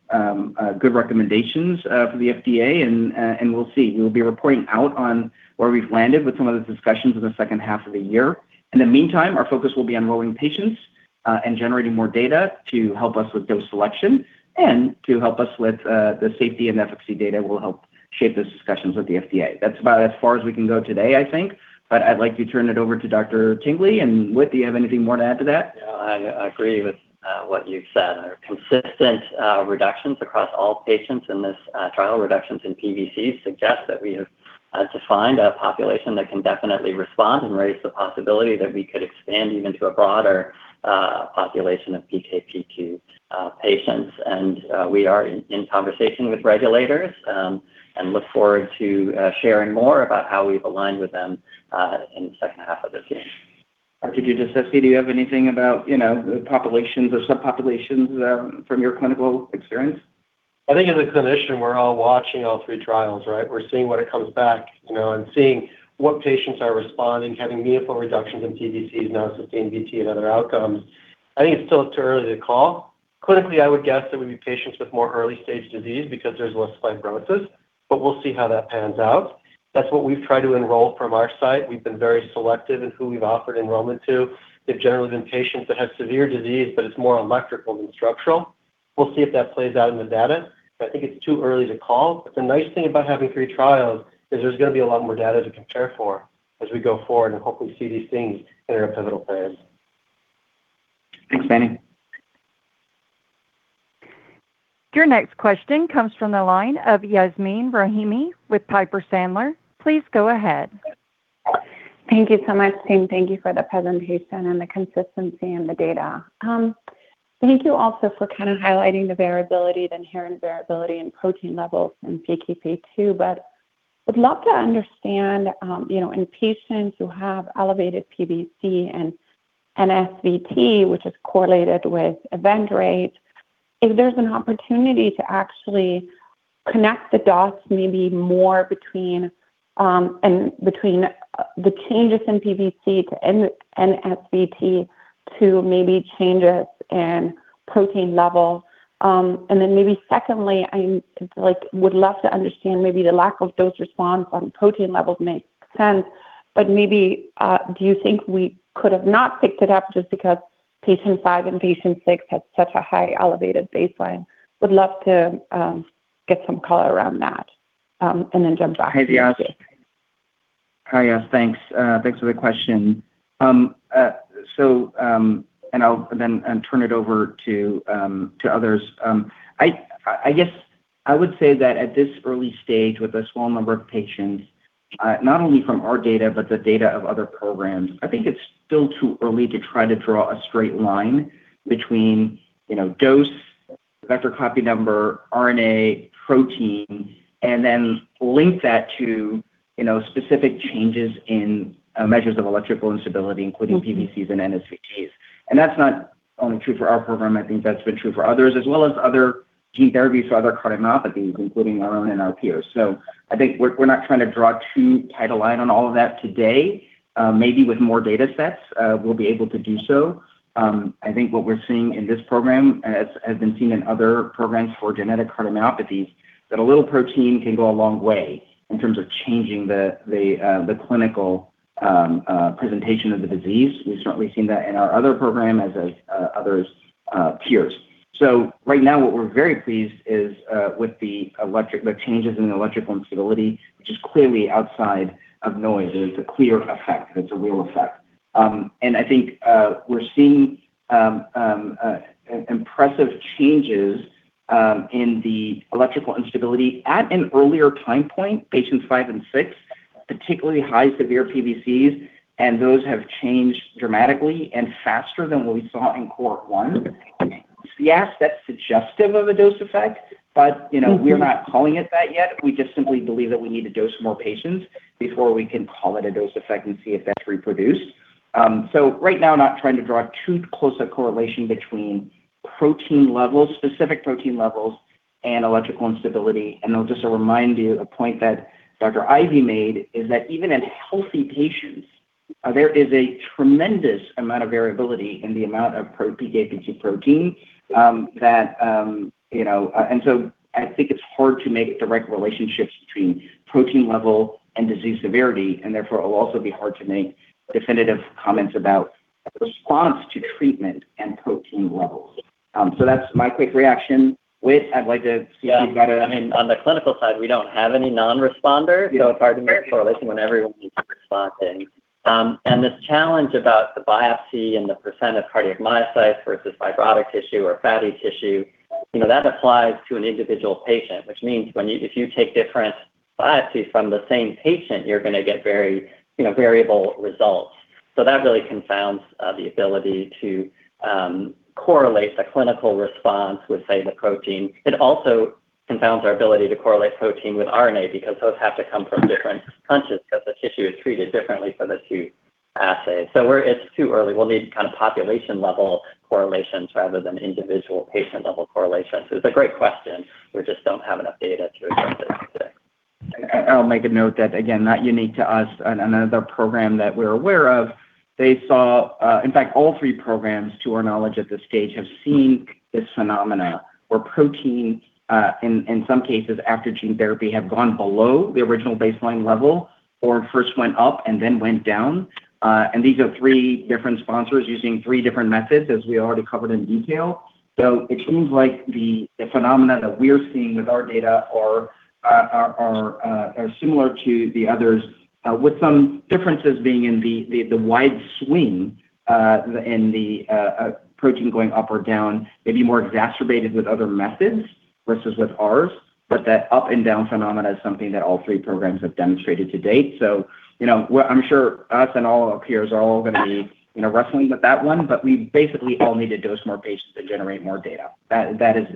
Speaker 3: good recommendations for the FDA, and we'll see. We'll be reporting out on where we've landed with some of those discussions in the second half of the year. In the meantime, our focus will be enrolling patients, and generating more data to help us with dose selection and to help us with, the safety and efficacy data will help shape those discussions with the FDA. That's about as far as we can go today, I think. I'd like to turn it over to Dr. Whit Tingley. Whit, do you have anything more to add to that?
Speaker 4: Yeah, I agree with what you've said. Our consistent reductions across all patients in this trial, reductions in PVC suggest that we have defined a population that can definitely respond and raise the possibility that we could expand even to a broader population of PKP2 patients. We are in conversation with regulators and look forward to sharing more about how we've aligned with them in the second half of this year.
Speaker 3: Dr. Giudicessi, do you have anything about, you know, populations or subpopulations from your clinical experience?
Speaker 6: I think as a clinician, we're all watching all three trials, right? We're seeing what it comes back, you know, and seeing what patients are responding, having meaningful reductions in PVCs, non-sustained VT, and other outcomes. I think it's still too early to call. Clinically, I would guess it would be patients with more early-stage disease because there's less fibrosis, but we'll see how that pans out. That's what we've tried to enroll from our side. We've been very selective in who we've offered enrollment to. They've generally been patients that have severe disease, but it's more electrical than structural. We'll see if that plays out in the data, but I think it's too early to call. The nice thing about having three trials is there's gonna be a lot more data to compare for as we go forward and hopefully see these things enter a pivotal phase.
Speaker 3: Thanks, Mani.
Speaker 1: Your next question comes from the line of Yasmeen Rahimi with Piper Sandler. Please go ahead.
Speaker 8: Thank you so much. Team, thank you for the presentation and the consistency in the data. Thank you also for kind of highlighting the variability, the inherent variability in protein levels in PKP2. I'd love to understand, you know, in patients who have elevated PVC and NSVT, which is correlated with event rates, if there's an opportunity to actually connect the dots maybe more between, in between the changes in PVC to NSVT to maybe changes in protein levels. Then maybe secondly, I like would love to understand maybe the lack of dose response on protein levels makes sense, but maybe, do you think we could have not picked it up just because patient 5 and patient 6 had such a high elevated baseline? Would love to get some color around that.
Speaker 3: Hi, Yas. Thanks for the question. I'll then turn it over to others. I guess I would say that at this early stage with a small number of patients, not only from our data but the data of other programs, I think it's still too early to try to draw a straight line between, you know, dose, vector copy number, RNA, protein, and then link that to, you know, specific changes in measures of electrical instability, including PVCs and NSVT. That's not only true for our program. I think that's been true for others as well as other gene therapies for other cardiomyopathies, including our own and our peers. I think we're not trying to draw too tight a line on all of that today. Maybe with more data sets, we'll be able to do so. I think what we're seeing in this program has been seen in other programs for genetic cardiomyopathies that a little protein can go a long way in terms of changing the clinical presentation of the disease. We've certainly seen that in our other program as has others, peers. Right now, what we're very pleased is with the changes in electrical instability, which is clearly outside of noise. There's a clear effect. It's a real effect. I think we're seeing impressive changes in the electrical instability at an earlier time point, patients five and six, particularly high severe PVCs, and those have changed dramatically and faster than what we saw in cohort 1. Yes, that's suggestive of a dose effect. You know, we're not calling it that yet. We just simply believe that we need to dose more patients before we can call it a dose effect and see if that's reproduced. Right now, not trying to draw too close a correlation between protein levels, specific protein levels and electrical instability. I'll just remind you a point that Dr. Ivey made is that even in healthy patients, there is a tremendous amount of variability in the amount of pro PKP2 protein, that, you know. I think it's hard to make direct relationships between protein level and disease severity, and therefore, it will also be hard to make definitive comments about response to treatment and protein levels. That's my quick reaction. Whit, I'd like to see if you've got.
Speaker 4: I mean, on the clinical side, we don't have any non-responder, it's hard to make correlation when everyone seems to be responding. This challenge about the biopsy and the percent of cardiac myocytes versus fibrotic tissue or fatty tissue, you know, that applies to an individual patient, which means if you take different biopsies from the same patient, you're gonna get very, you know, variable results. That really confounds the ability to correlate a clinical response with, say, the protein. It also confounds our ability to correlate protein with RNA because those have to come from different punches 'cause the tissue is treated differently for the two assays. It's too early. We'll need kind of population level correlations rather than individual patient level correlations. It's a great question. We just don't have enough data to address it today.
Speaker 3: I'll make a note that, again, not unique to us. Another program that we're aware of, they saw, in fact, all three programs, to our knowledge at this stage, have seen this phenomena where protein, in some cases after gene therapy, have gone below the original baseline level or first went up and then went down. These are three different sponsors using three different methods, as we already covered in detail. It seems like the phenomena that we're seeing with our data are, are similar to the others, with some differences being in the, the wide swing, in the protein going up or down, maybe more exacerbated with other methods versus with ours. That up and down phenomena is something that all three programs have demonstrated to date. You know, I'm sure us and all our peers are all gonna be, you know, wrestling with that one, but we basically all need to dose more patients and generate more data. That is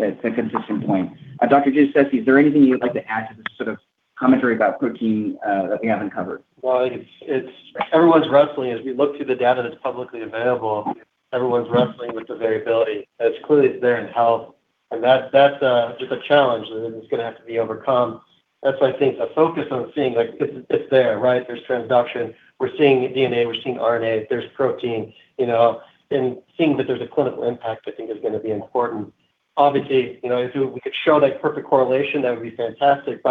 Speaker 3: a consistent point. Dr. Giudicessi, is there anything you'd like to add to this sort of commentary about protein that we haven't covered?
Speaker 6: Well, it's everyone's wrestling. As we look through the data that's publicly available, everyone's wrestling with the variability. It's clearly there in health. That's just a challenge that is gonna have to be overcome. That's why I think a focus on seeing like it's there, right? There's transduction. We're seeing DNA. We're seeing RNA. There's protein, you know. Seeing that there's a clinical impact I think is gonna be important. Obviously, you know, if we could show that perfect correlation, that would be fantastic,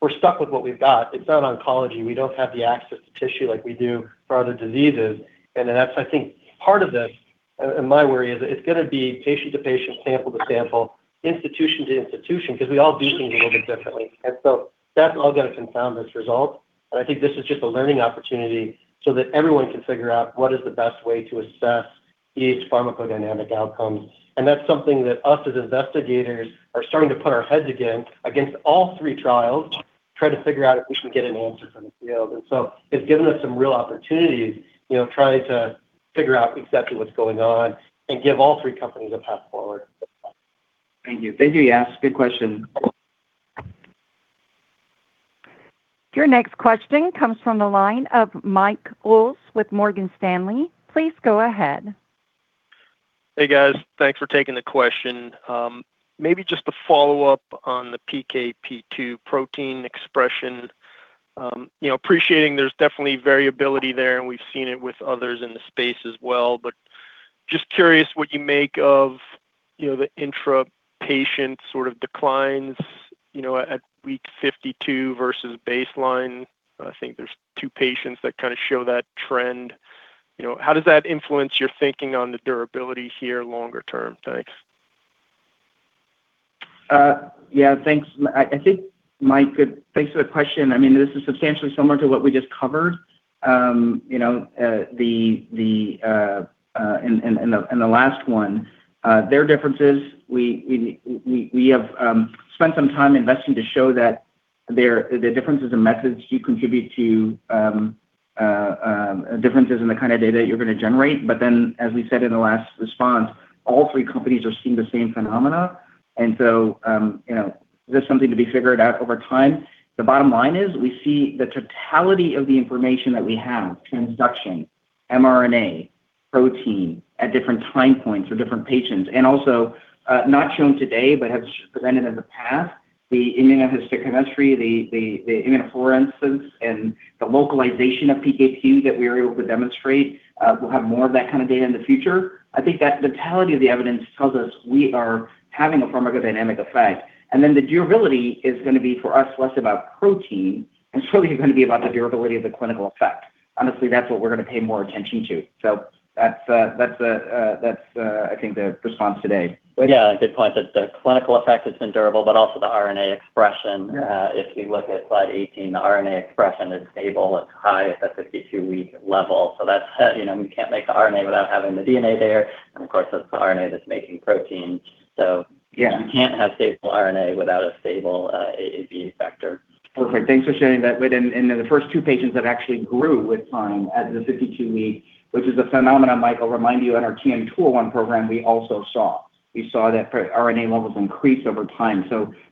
Speaker 6: we're stuck with what we've got. It's not oncology. We don't have the access to tissue like we do for other diseases. That's I think part of this, and my worry is it's gonna be patient to patient, sample to sample, institution to institution because we all do things a little bit differently. That's all gonna confound this result. I think this is just a learning opportunity so that everyone can figure out what is the best way to assess pharmacodynamic outcomes. That's something that us as investigators are starting to put our heads against all three trials to try to figure out if we can get an answer from the field. It's given us some real opportunities, you know, trying to figure out exactly what's going on and give all three companies a path forward.
Speaker 3: Thank you. Thank you, Yas. Good question.
Speaker 1: Your next question comes from the line of Michael Yee with UBS. Please go ahead.
Speaker 9: Hey, guys. Thanks for taking the question. maybe just a follow-up on the PKP2 protein expression. you know, appreciating there's definitely variability there, and we've seen it with others in the space as well. Just curious what you make of, you know, the intra-patient sort of declines, you know, at week 52 versus baseline. I think there's two patients that kind of show that trend. How does that influence your thinking on the durability here longer term? Thanks.
Speaker 3: Yeah, thanks, I think Mike, thanks for the question. I mean, this is substantially similar to what we just covered. You know, and the last one. There are differences. We have spent some time investing to show that there, the differences in methods do contribute to differences in the kind of data you're going to generate. As we said in the last response, all three companies are seeing the same phenomena. You know, this is something to be figured out over time. The bottom line is we see the totality of the information that we have, transduction, mRNA, protein at different time points for different patients, and also, not shown today, but have presented in the past, the immunohistochemistry, the immunofluorescence, and the localization of PKP that we are able to demonstrate. We'll have more of that kind of data in the future. I think that totality of the evidence tells us we are having a pharmacodynamic effect. The durability is going to be for us less about protein and it's really going to be about the durability of the clinical effect. Honestly, that's what we're going to pay more attention to. That's the, that's, I think the response today.
Speaker 4: Yeah, good point. That the clinical effect has been durable, but also the RNA expression. If we look at slide 18, the RNA expression is stable. It's high at the 52-week level. That said, you know, we can't make the RNA without having the DNA there. Of course, that's the RNA that's making protein.
Speaker 3: Yeah
Speaker 4: you can't have stable RNA without a stable AAV vector.
Speaker 3: Perfect. Thanks for sharing that, Whit. The first two patients that actually grew with time at the 52-week, which is a phenomenon Michael, I'll remind you in our TN-201 program, we also saw. We saw that RNA levels increase over time.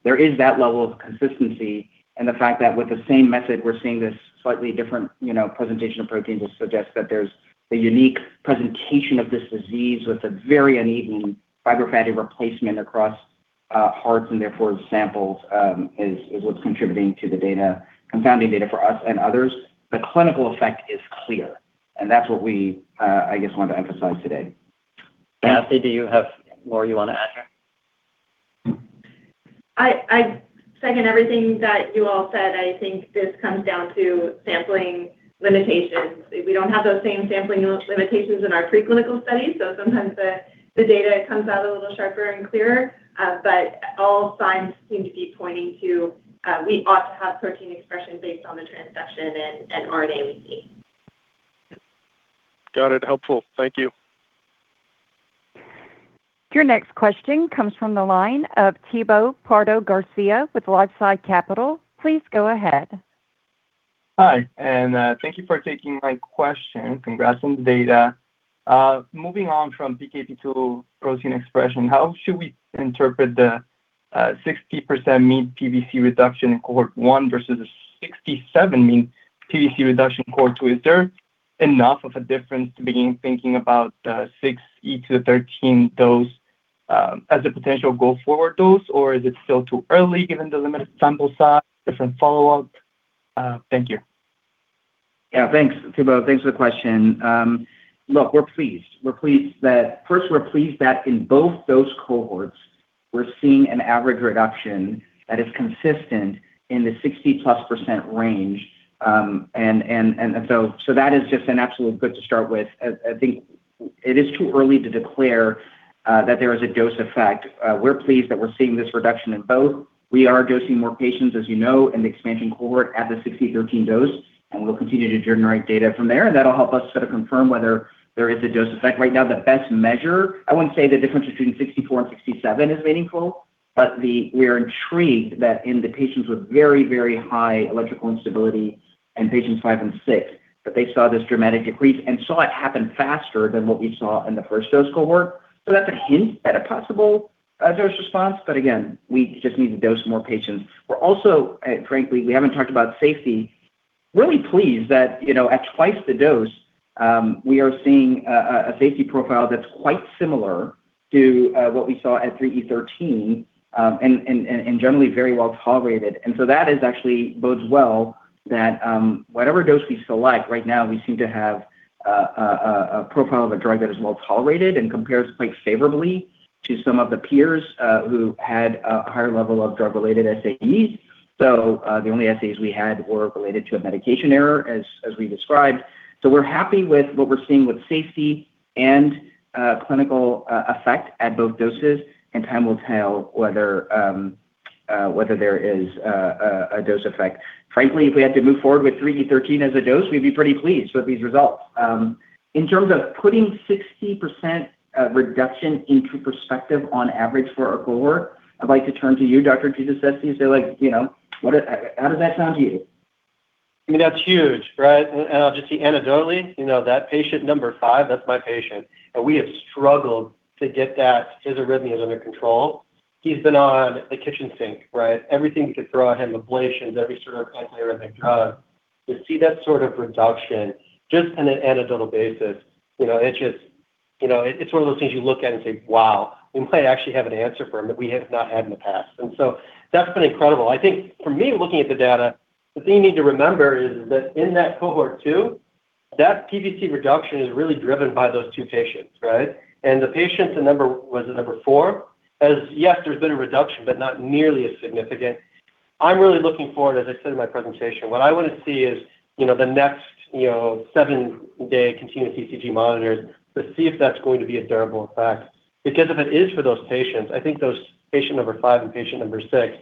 Speaker 3: There is that level of consistency. The fact that with the same method, we're seeing this slightly different, you know, presentation of protein just suggests that there's a unique presentation of this disease with a very uneven fibrofatty replacement across hearts, and therefore the samples is what's contributing to the data, confounding data for us and others. The clinical effect is clear, and that's what we, I guess, wanted to emphasize today.
Speaker 4: Kathy, do you have more you want to add here?
Speaker 5: I second everything that you all said. I think this comes down to sampling limitations. We don't have those same sampling limitations in our preclinical studies, so sometimes the data comes out a little sharper and clearer. All signs seem to be pointing to we ought to have protein expression based on the transduction and RNA we see.
Speaker 9: Got it. Helpful. Thank you.
Speaker 1: Your next question comes from the line of Thibaut Pardo-Garcia with LifeSci Capital. Please go ahead.
Speaker 10: Hi, thank you for taking my question. Congrats on the data. Moving on from PKP2 protein expression, how should we interpret the 60% mean PVC reduction in cohort one versus a 67% mean PVC reduction cohort two? Is there enough of a difference to begin thinking about 6E to the thirteen dose as a potential go forward dose, or is it still too early given the limited sample size, different follow up? Thank you.
Speaker 3: Thanks, Thibaut. Thanks for the question. look, we're pleased. First, we're pleased that in both those cohorts, we're seeing an average reduction that is consistent in the 60%-plus range. That is just an absolute good to start with. I think it is too early to declare that there is a dose effect. We're pleased that we're seeing this reduction in both. We are dosing more patients, as you know, in the expansion cohort at the 60-13 dose, and we'll continue to generate data from there, and that'll help us sort of confirm whether there is a dose effect. Right now, the best measure, I wouldn't say the difference between 64 and 67 is meaningful. We're intrigued that in the patients with very, very high electrical instability in patients five and six, that they saw this dramatic decrease and saw it happen faster than what we saw in the 1st dose cohort. That's a hint at a possible dose response. Again, we just need to dose more patients. We're also, frankly, we haven't talked about safety, really pleased that, you know, at 2x the dose, we are seeing a safety profile that's quite similar to what we saw at 3E13 and generally very well tolerated. That is actually bodes well that whatever dose we select right now, we seem to have a profile of a drug that is well-tolerated and compares quite favorably to some of the peers who had a higher level of drug-related SAEs. The only SAEs we had were related to a medication error as we described. We're happy with what we're seeing with safety and clinical effect at both doses, and time will tell whether there is a dose effect. Frankly, if we had to move forward with 3E13 as a dose, we'd be pretty pleased with these results. In terms of putting 60% reduction into perspective on average for our cohort, I'd like to turn to you, Dr. Giudicessi. Like, you know, what how does that sound to you?
Speaker 6: I mean, that's huge, right? I'll just see anecdotally, you know, that patient number five, that's my patient. We have struggled to get his arrhythmias under control. He's been on the kitchen sink, right? Everything you could throw at him, ablations, every sort of anti-arrhythmic drug. To see that sort of reduction, just on an anecdotal basis, you know, it's just, you know, it's one of those things you look at and say, "Wow. We might actually have an answer for him that we have not had in the past." That's been incredible. I think for me, looking at the data, the thing you need to remember is that in that cohort 2, that PVC reduction is really driven by those two patients, right? The patients in number four? Has, yes, there's been a reduction, but not nearly as significant. I'm really looking forward, as I said in my presentation, what I want to see is, you know, the next, you know, seven-day continuous ECG monitors to see if that's going to be a durable effect. Because if it is for those patients, I think those patient number five and patient number six,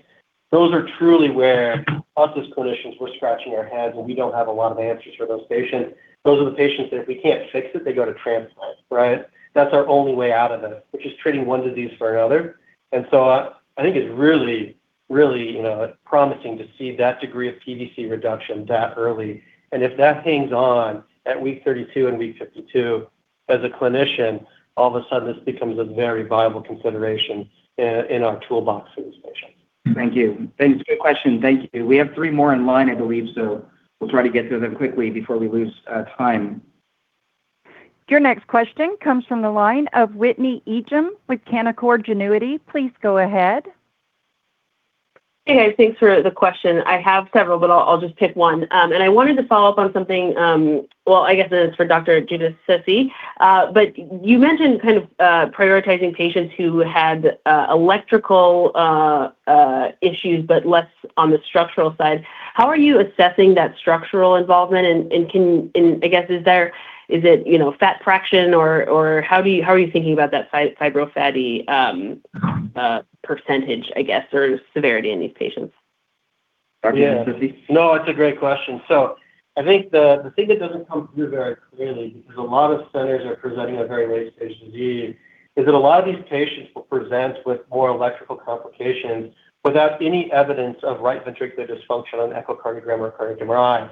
Speaker 6: those are truly where us as clinicians, we're scratching our heads when we don't have a lot of answers for those patients. Those are the patients that if we can't fix it, they go to transplant, right? That's our only way out of this, which is treating one disease for another. I think it's really, really, you know, promising to see that degree of PVC reduction that early. If that hangs on at week 32 and week 52, as a clinician, all of a sudden this becomes a very viable consideration in our toolbox for these patients.
Speaker 3: Thank you. Thanks. Good question. Thank you. We have three more in line, I believe, so we'll try to get to them quickly before we lose time.
Speaker 1: Your next question comes from the line of Whitney Ijem with Canaccord Genuity. Please go ahead.
Speaker 11: Hey, guys. Thanks for the question. I have several, but I'll just pick one. Well, I guess this is for Dr. Giudicessi. You mentioned prioritizing patients who had electrical issues, but less on the structural side. How are you assessing that structural involvement? I guess, is it, you know, fat fraction or how are you thinking about that fibro fatty percentage, I guess, or severity in these patients?
Speaker 3: Dr. Giudicessi?
Speaker 6: Yeah. No, it's a great question. I think the thing that doesn't come through very clearly because a lot of centers are presenting a very late stage disease, is that a lot of these patients will present with more electrical complications without any evidence of right ventricular dysfunction on echocardiogram or cardiac MRI.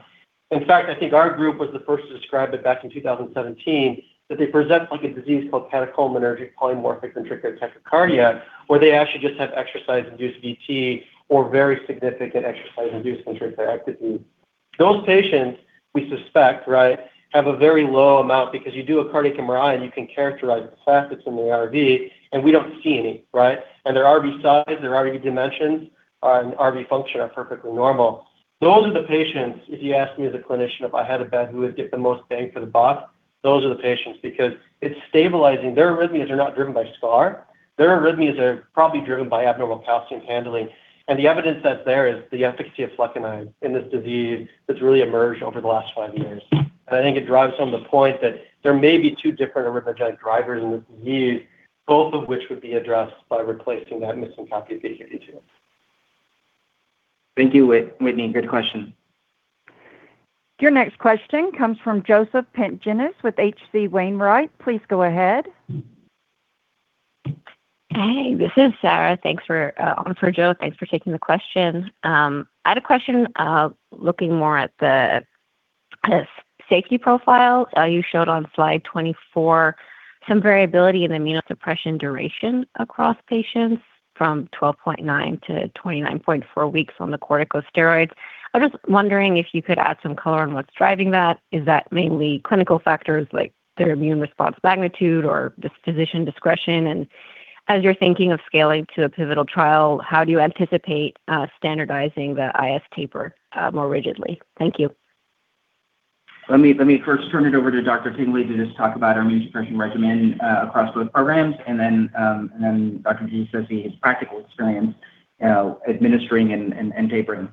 Speaker 6: In fact, I think our group was the first to describe it back in 2017, that they present like a disease called catecholaminergic polymorphic ventricular tachycardia, where they actually just have exercise-induced VT or very significant exercise-induced ventricular ectopy. Those patients, we suspect, right, have a very low amount because you do a cardiac MRI and you can characterize the fat in the RV, and we don't see any, right? Their RV size, their RV dimensions, and RV function are perfectly normal. Those are the patients, if you ask me as a clinician, if I had a bet who would get the most bang for the buck, those are the patients because it's stabilizing. Their arrhythmias are not driven by scar. Their arrhythmias are probably driven by abnormal calcium handling. The evidence that's there is the efficacy of flecainide in this disease that's really emerged over the last five years. I think it drives home the point that there may be two different arrhythmogenic drivers in this disease, both of which would be addressed by replacing that missing calculation issue.
Speaker 3: Thank you, Whitney. Good question.
Speaker 1: Your next question comes from Joseph Pantginis with H.C. Wainwright. Please go ahead.
Speaker 12: Hey, this is Sarah. Thanks for on for Joe. Thanks for taking the question. I had a question looking more at the safety profile. You showed on slide 24 some variability in immunosuppression duration across patients from 12.9-29.4 weeks on the corticosteroids. I'm just wondering if you could add some color on what's driving that. Is that mainly clinical factors like their immune response magnitude or just physician discretion? As you're thinking of scaling to a pivotal trial, how do you anticipate standardizing the IS taper more rigidly? Thank you.
Speaker 3: Let me first turn it over to Dr. Tingley to just talk about our immunosuppression regimen across both programs, and then Dr. Giudicessi, his practical experience, you know, administering and tapering.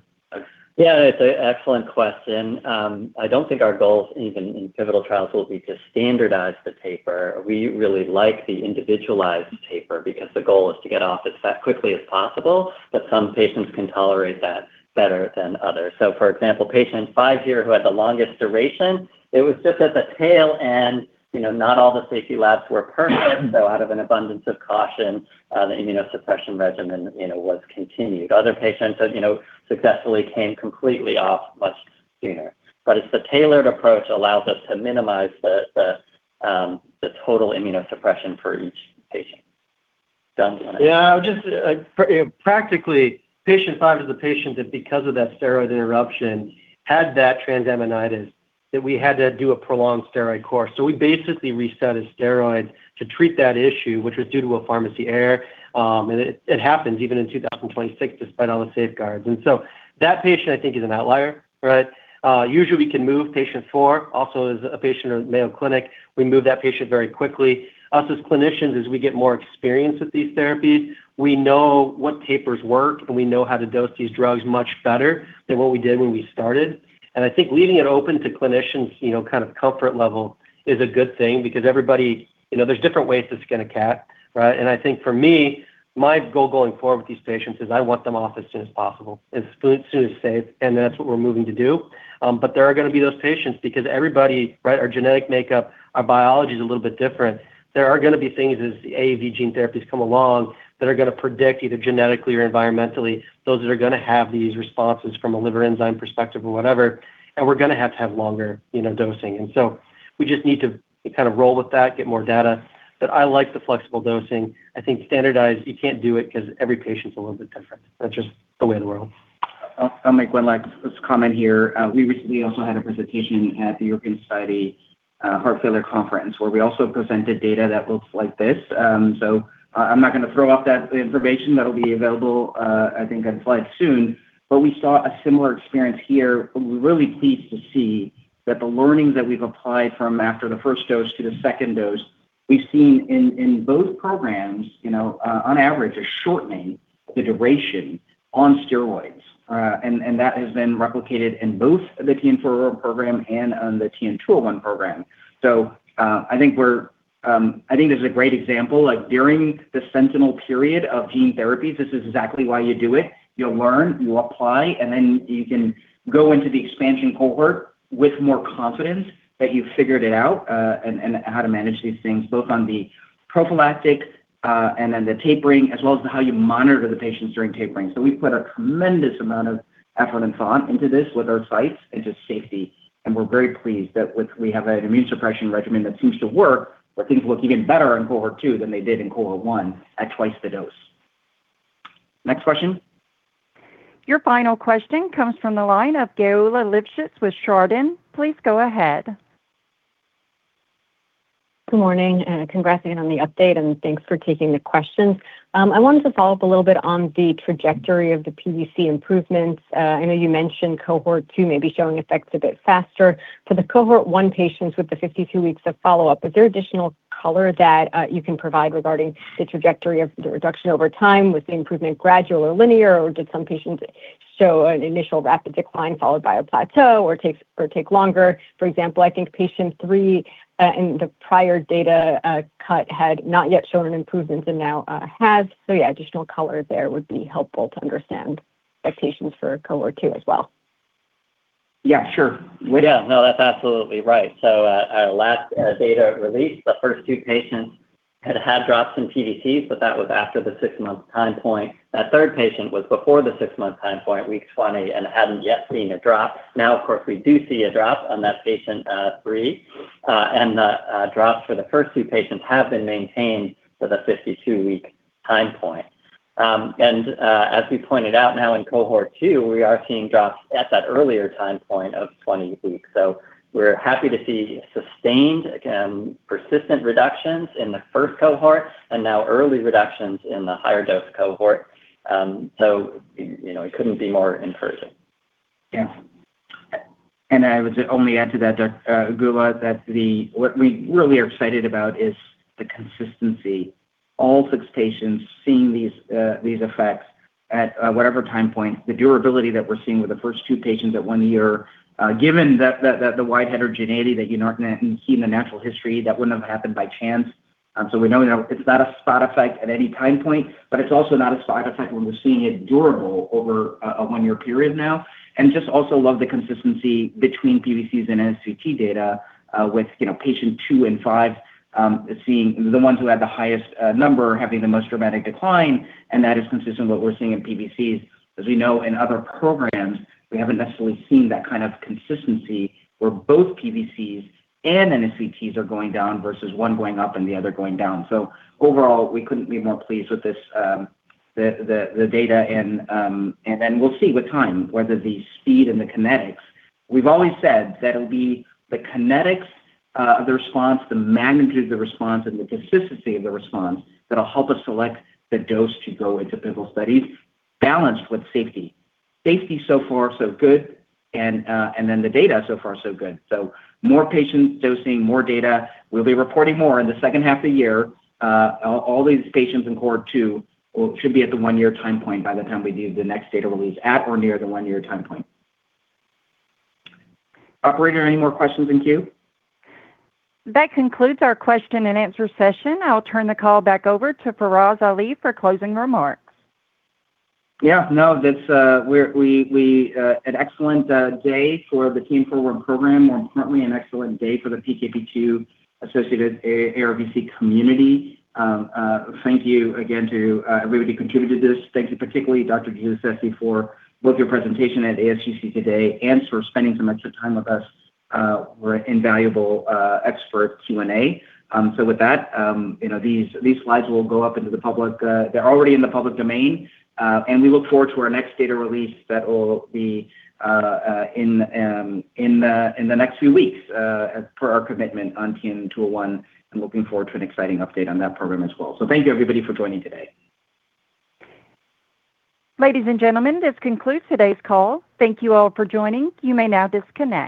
Speaker 4: Yeah, it's a excellent question. I don't think our goals even in pivotal trials will be to standardize the taper. We really like the individualized taper because the goal is to get off it as quickly as possible, but some patients can tolerate that better than others. For example, patient five here who had the longest duration, it was just at the tail end. You know, not all the safety labs were perfect. Out of an abundance of caution, the immunosuppression regimen, you know, was continued. Other patients have, you know, successfully came completely off much sooner. It's the tailored approach allows us to minimize the total immunosuppression for each patient. John, do you wanna-
Speaker 6: Yeah, just, patient five is a patient that because of that steroid interruption had that transaminitis that we had to do a prolonged steroid course. We basically restarted steroids to treat that issue, which was due to a pharmacy error. It happens even in 2026 despite all the safeguards. That patient, I think, is an outlier, right? Usually we can move patient four, also is a patient of Mayo Clinic. We move that patient very quickly. Us as clinicians, as we get more experience with these therapies, we know what tapers work, and we know how to dose these drugs much better than what we did when we started. I think leaving it open to clinicians' you know, kind of comfort level is a good thing because everybody, you know, there is different ways to skin a cat, right. I think for me, my goal going forward with these patients is I want them off as soon as possible, as soon as safe, and that's what we're moving to do. There are gonna be those patients because everybody, right, our genetic makeup, our biology is a little bit different. There are gonna be things as the AAV gene therapies come along that are gonna predict either genetically or environmentally, those that are gonna have these responses from a liver enzyme perspective or whatever. We're gonna have to have longer, you know, dosing. We just need to kind of roll with that, get more data.
Speaker 4: I like the flexible dosing. I think standardized, you can't do it 'cause every patient's a little bit different. That's just the way of the world.
Speaker 3: I'll make one last comment here. We recently also had a presentation at the European Society Heart Failure Conference where we also presented data that looks like this. I'm not gonna throw out that information. That'll be available, I think on slide soon. We saw a similar experience here. We're really pleased to see that the learnings that we've applied from after the first dose to the second dose, we've seen in both programs, you know, on average, a shortening the duration on steroids. That has been replicated in both the TN-401 program and on the TN-201 program. I think this is a great example, like during the sentinel period of gene therapies, this is exactly why you do it. You'll learn, you apply, then you can go into the expansion cohort with more confidence that you've figured it out, and how to manage these things, both on the prophylactic, then the tapering, as well as how you monitor the patients during tapering. We've put a tremendous amount of effort and thought into this with our sites into safety, and we're very pleased that we have an immune suppression regimen that seems to work, but things look even better in cohort 2 than they did in cohort 1 at twice the dose. Next question.
Speaker 1: Your final question comes from the line of Geulah Lipschitz with Chardan. Please go ahead.
Speaker 13: Good morning, and congratulating on the update. Thanks for taking the questions. I wanted to follow up a little bit on the trajectory of the PVC improvements. I know you mentioned cohort 2 may be showing effects a bit faster. For the cohort 1 patients with the 52 weeks of follow-up, is there additional color that you can provide regarding the trajectory of the reduction over time? Was the improvement gradual or linear, or did some patients show an initial rapid decline followed by a plateau or take longer? For example, I think patient three in the prior data cut had not yet shown an improvement and now has. Yeah, additional color there would be helpful to understand expectations for cohort 2 as well.
Speaker 3: Yeah, sure.
Speaker 4: No, that's absolutely right. At our last data release, the first two patients had had drops in PVCs, but that was after the six-month time point. That third patient was before the six-month time point, week 20, and hadn't yet seen a drop. Now, of course, we do see a drop on that patient three, and the drops for the first two patients have been maintained for the 52-week time point. As we pointed out now in cohort 2, we are seeing drops at that earlier time point of 20 weeks. We're happy to see sustained persistent reductions in the first cohort and now early reductions in the higher dose cohort. You know, it couldn't be more encouraging.
Speaker 3: Yeah. I would only add to that, Gila, what we really are excited about is the consistency. All six patients seeing these effects at whatever time point. The durability that we're seeing with the first two patients at one year, given the wide heterogeneity that you know are gonna see in the natural history, that wouldn't have happened by chance. We know now it's not a spot effect at any time point, but it's also not a spot effect when we're seeing it durable over a one-year period now. Just also love the consistency between PVCs and NSVT data, with, you know, patient two and five, seeing the ones who had the highest number having the most dramatic decline, and that is consistent with what we're seeing in PVCs. As we know in other programs, we haven't necessarily seen that kind of consistency where both PVCs and NSVTs are going down versus one going up and the other going down. Overall, we couldn't be more pleased with this, the data and then we'll see with time whether the speed and the kinetics. We've always said that it'll be the kinetics of the response, the magnitude of the response, and the consistency of the response that'll help us select the dose to go into pivotal studies balanced with safety. Safety so far so good and then the data so far so good. More patients dosing, more data. We'll be reporting more in the second half of the year. All these patients in cohort 2 should be at the one-year time point by the time we do the next data release at or near the one-year time point. Operator, any more questions in queue?
Speaker 1: That concludes our question and answer session. I'll turn the call back over to Faraz Ali for closing remarks.
Speaker 3: That's an excellent day for the TN-401 program. More importantly, an excellent day for the PKP2-associated ARVC community. Thank you again to everybody who contributed to this. Thank you particularly, Dr. Giudicessi for both your presentation at ASGCT today and for spending so much time with us for your invaluable expert Q&A. These slides will go up into the public. They're already in the public domain. We look forward to our next data release that will be in the next few weeks for our commitment on TN-201 and looking forward to an exciting update on that program as well. Thank you everybody for joining today.
Speaker 1: Ladies and gentlemen, this concludes today's call. Thank you all for joining. You may now disconnect.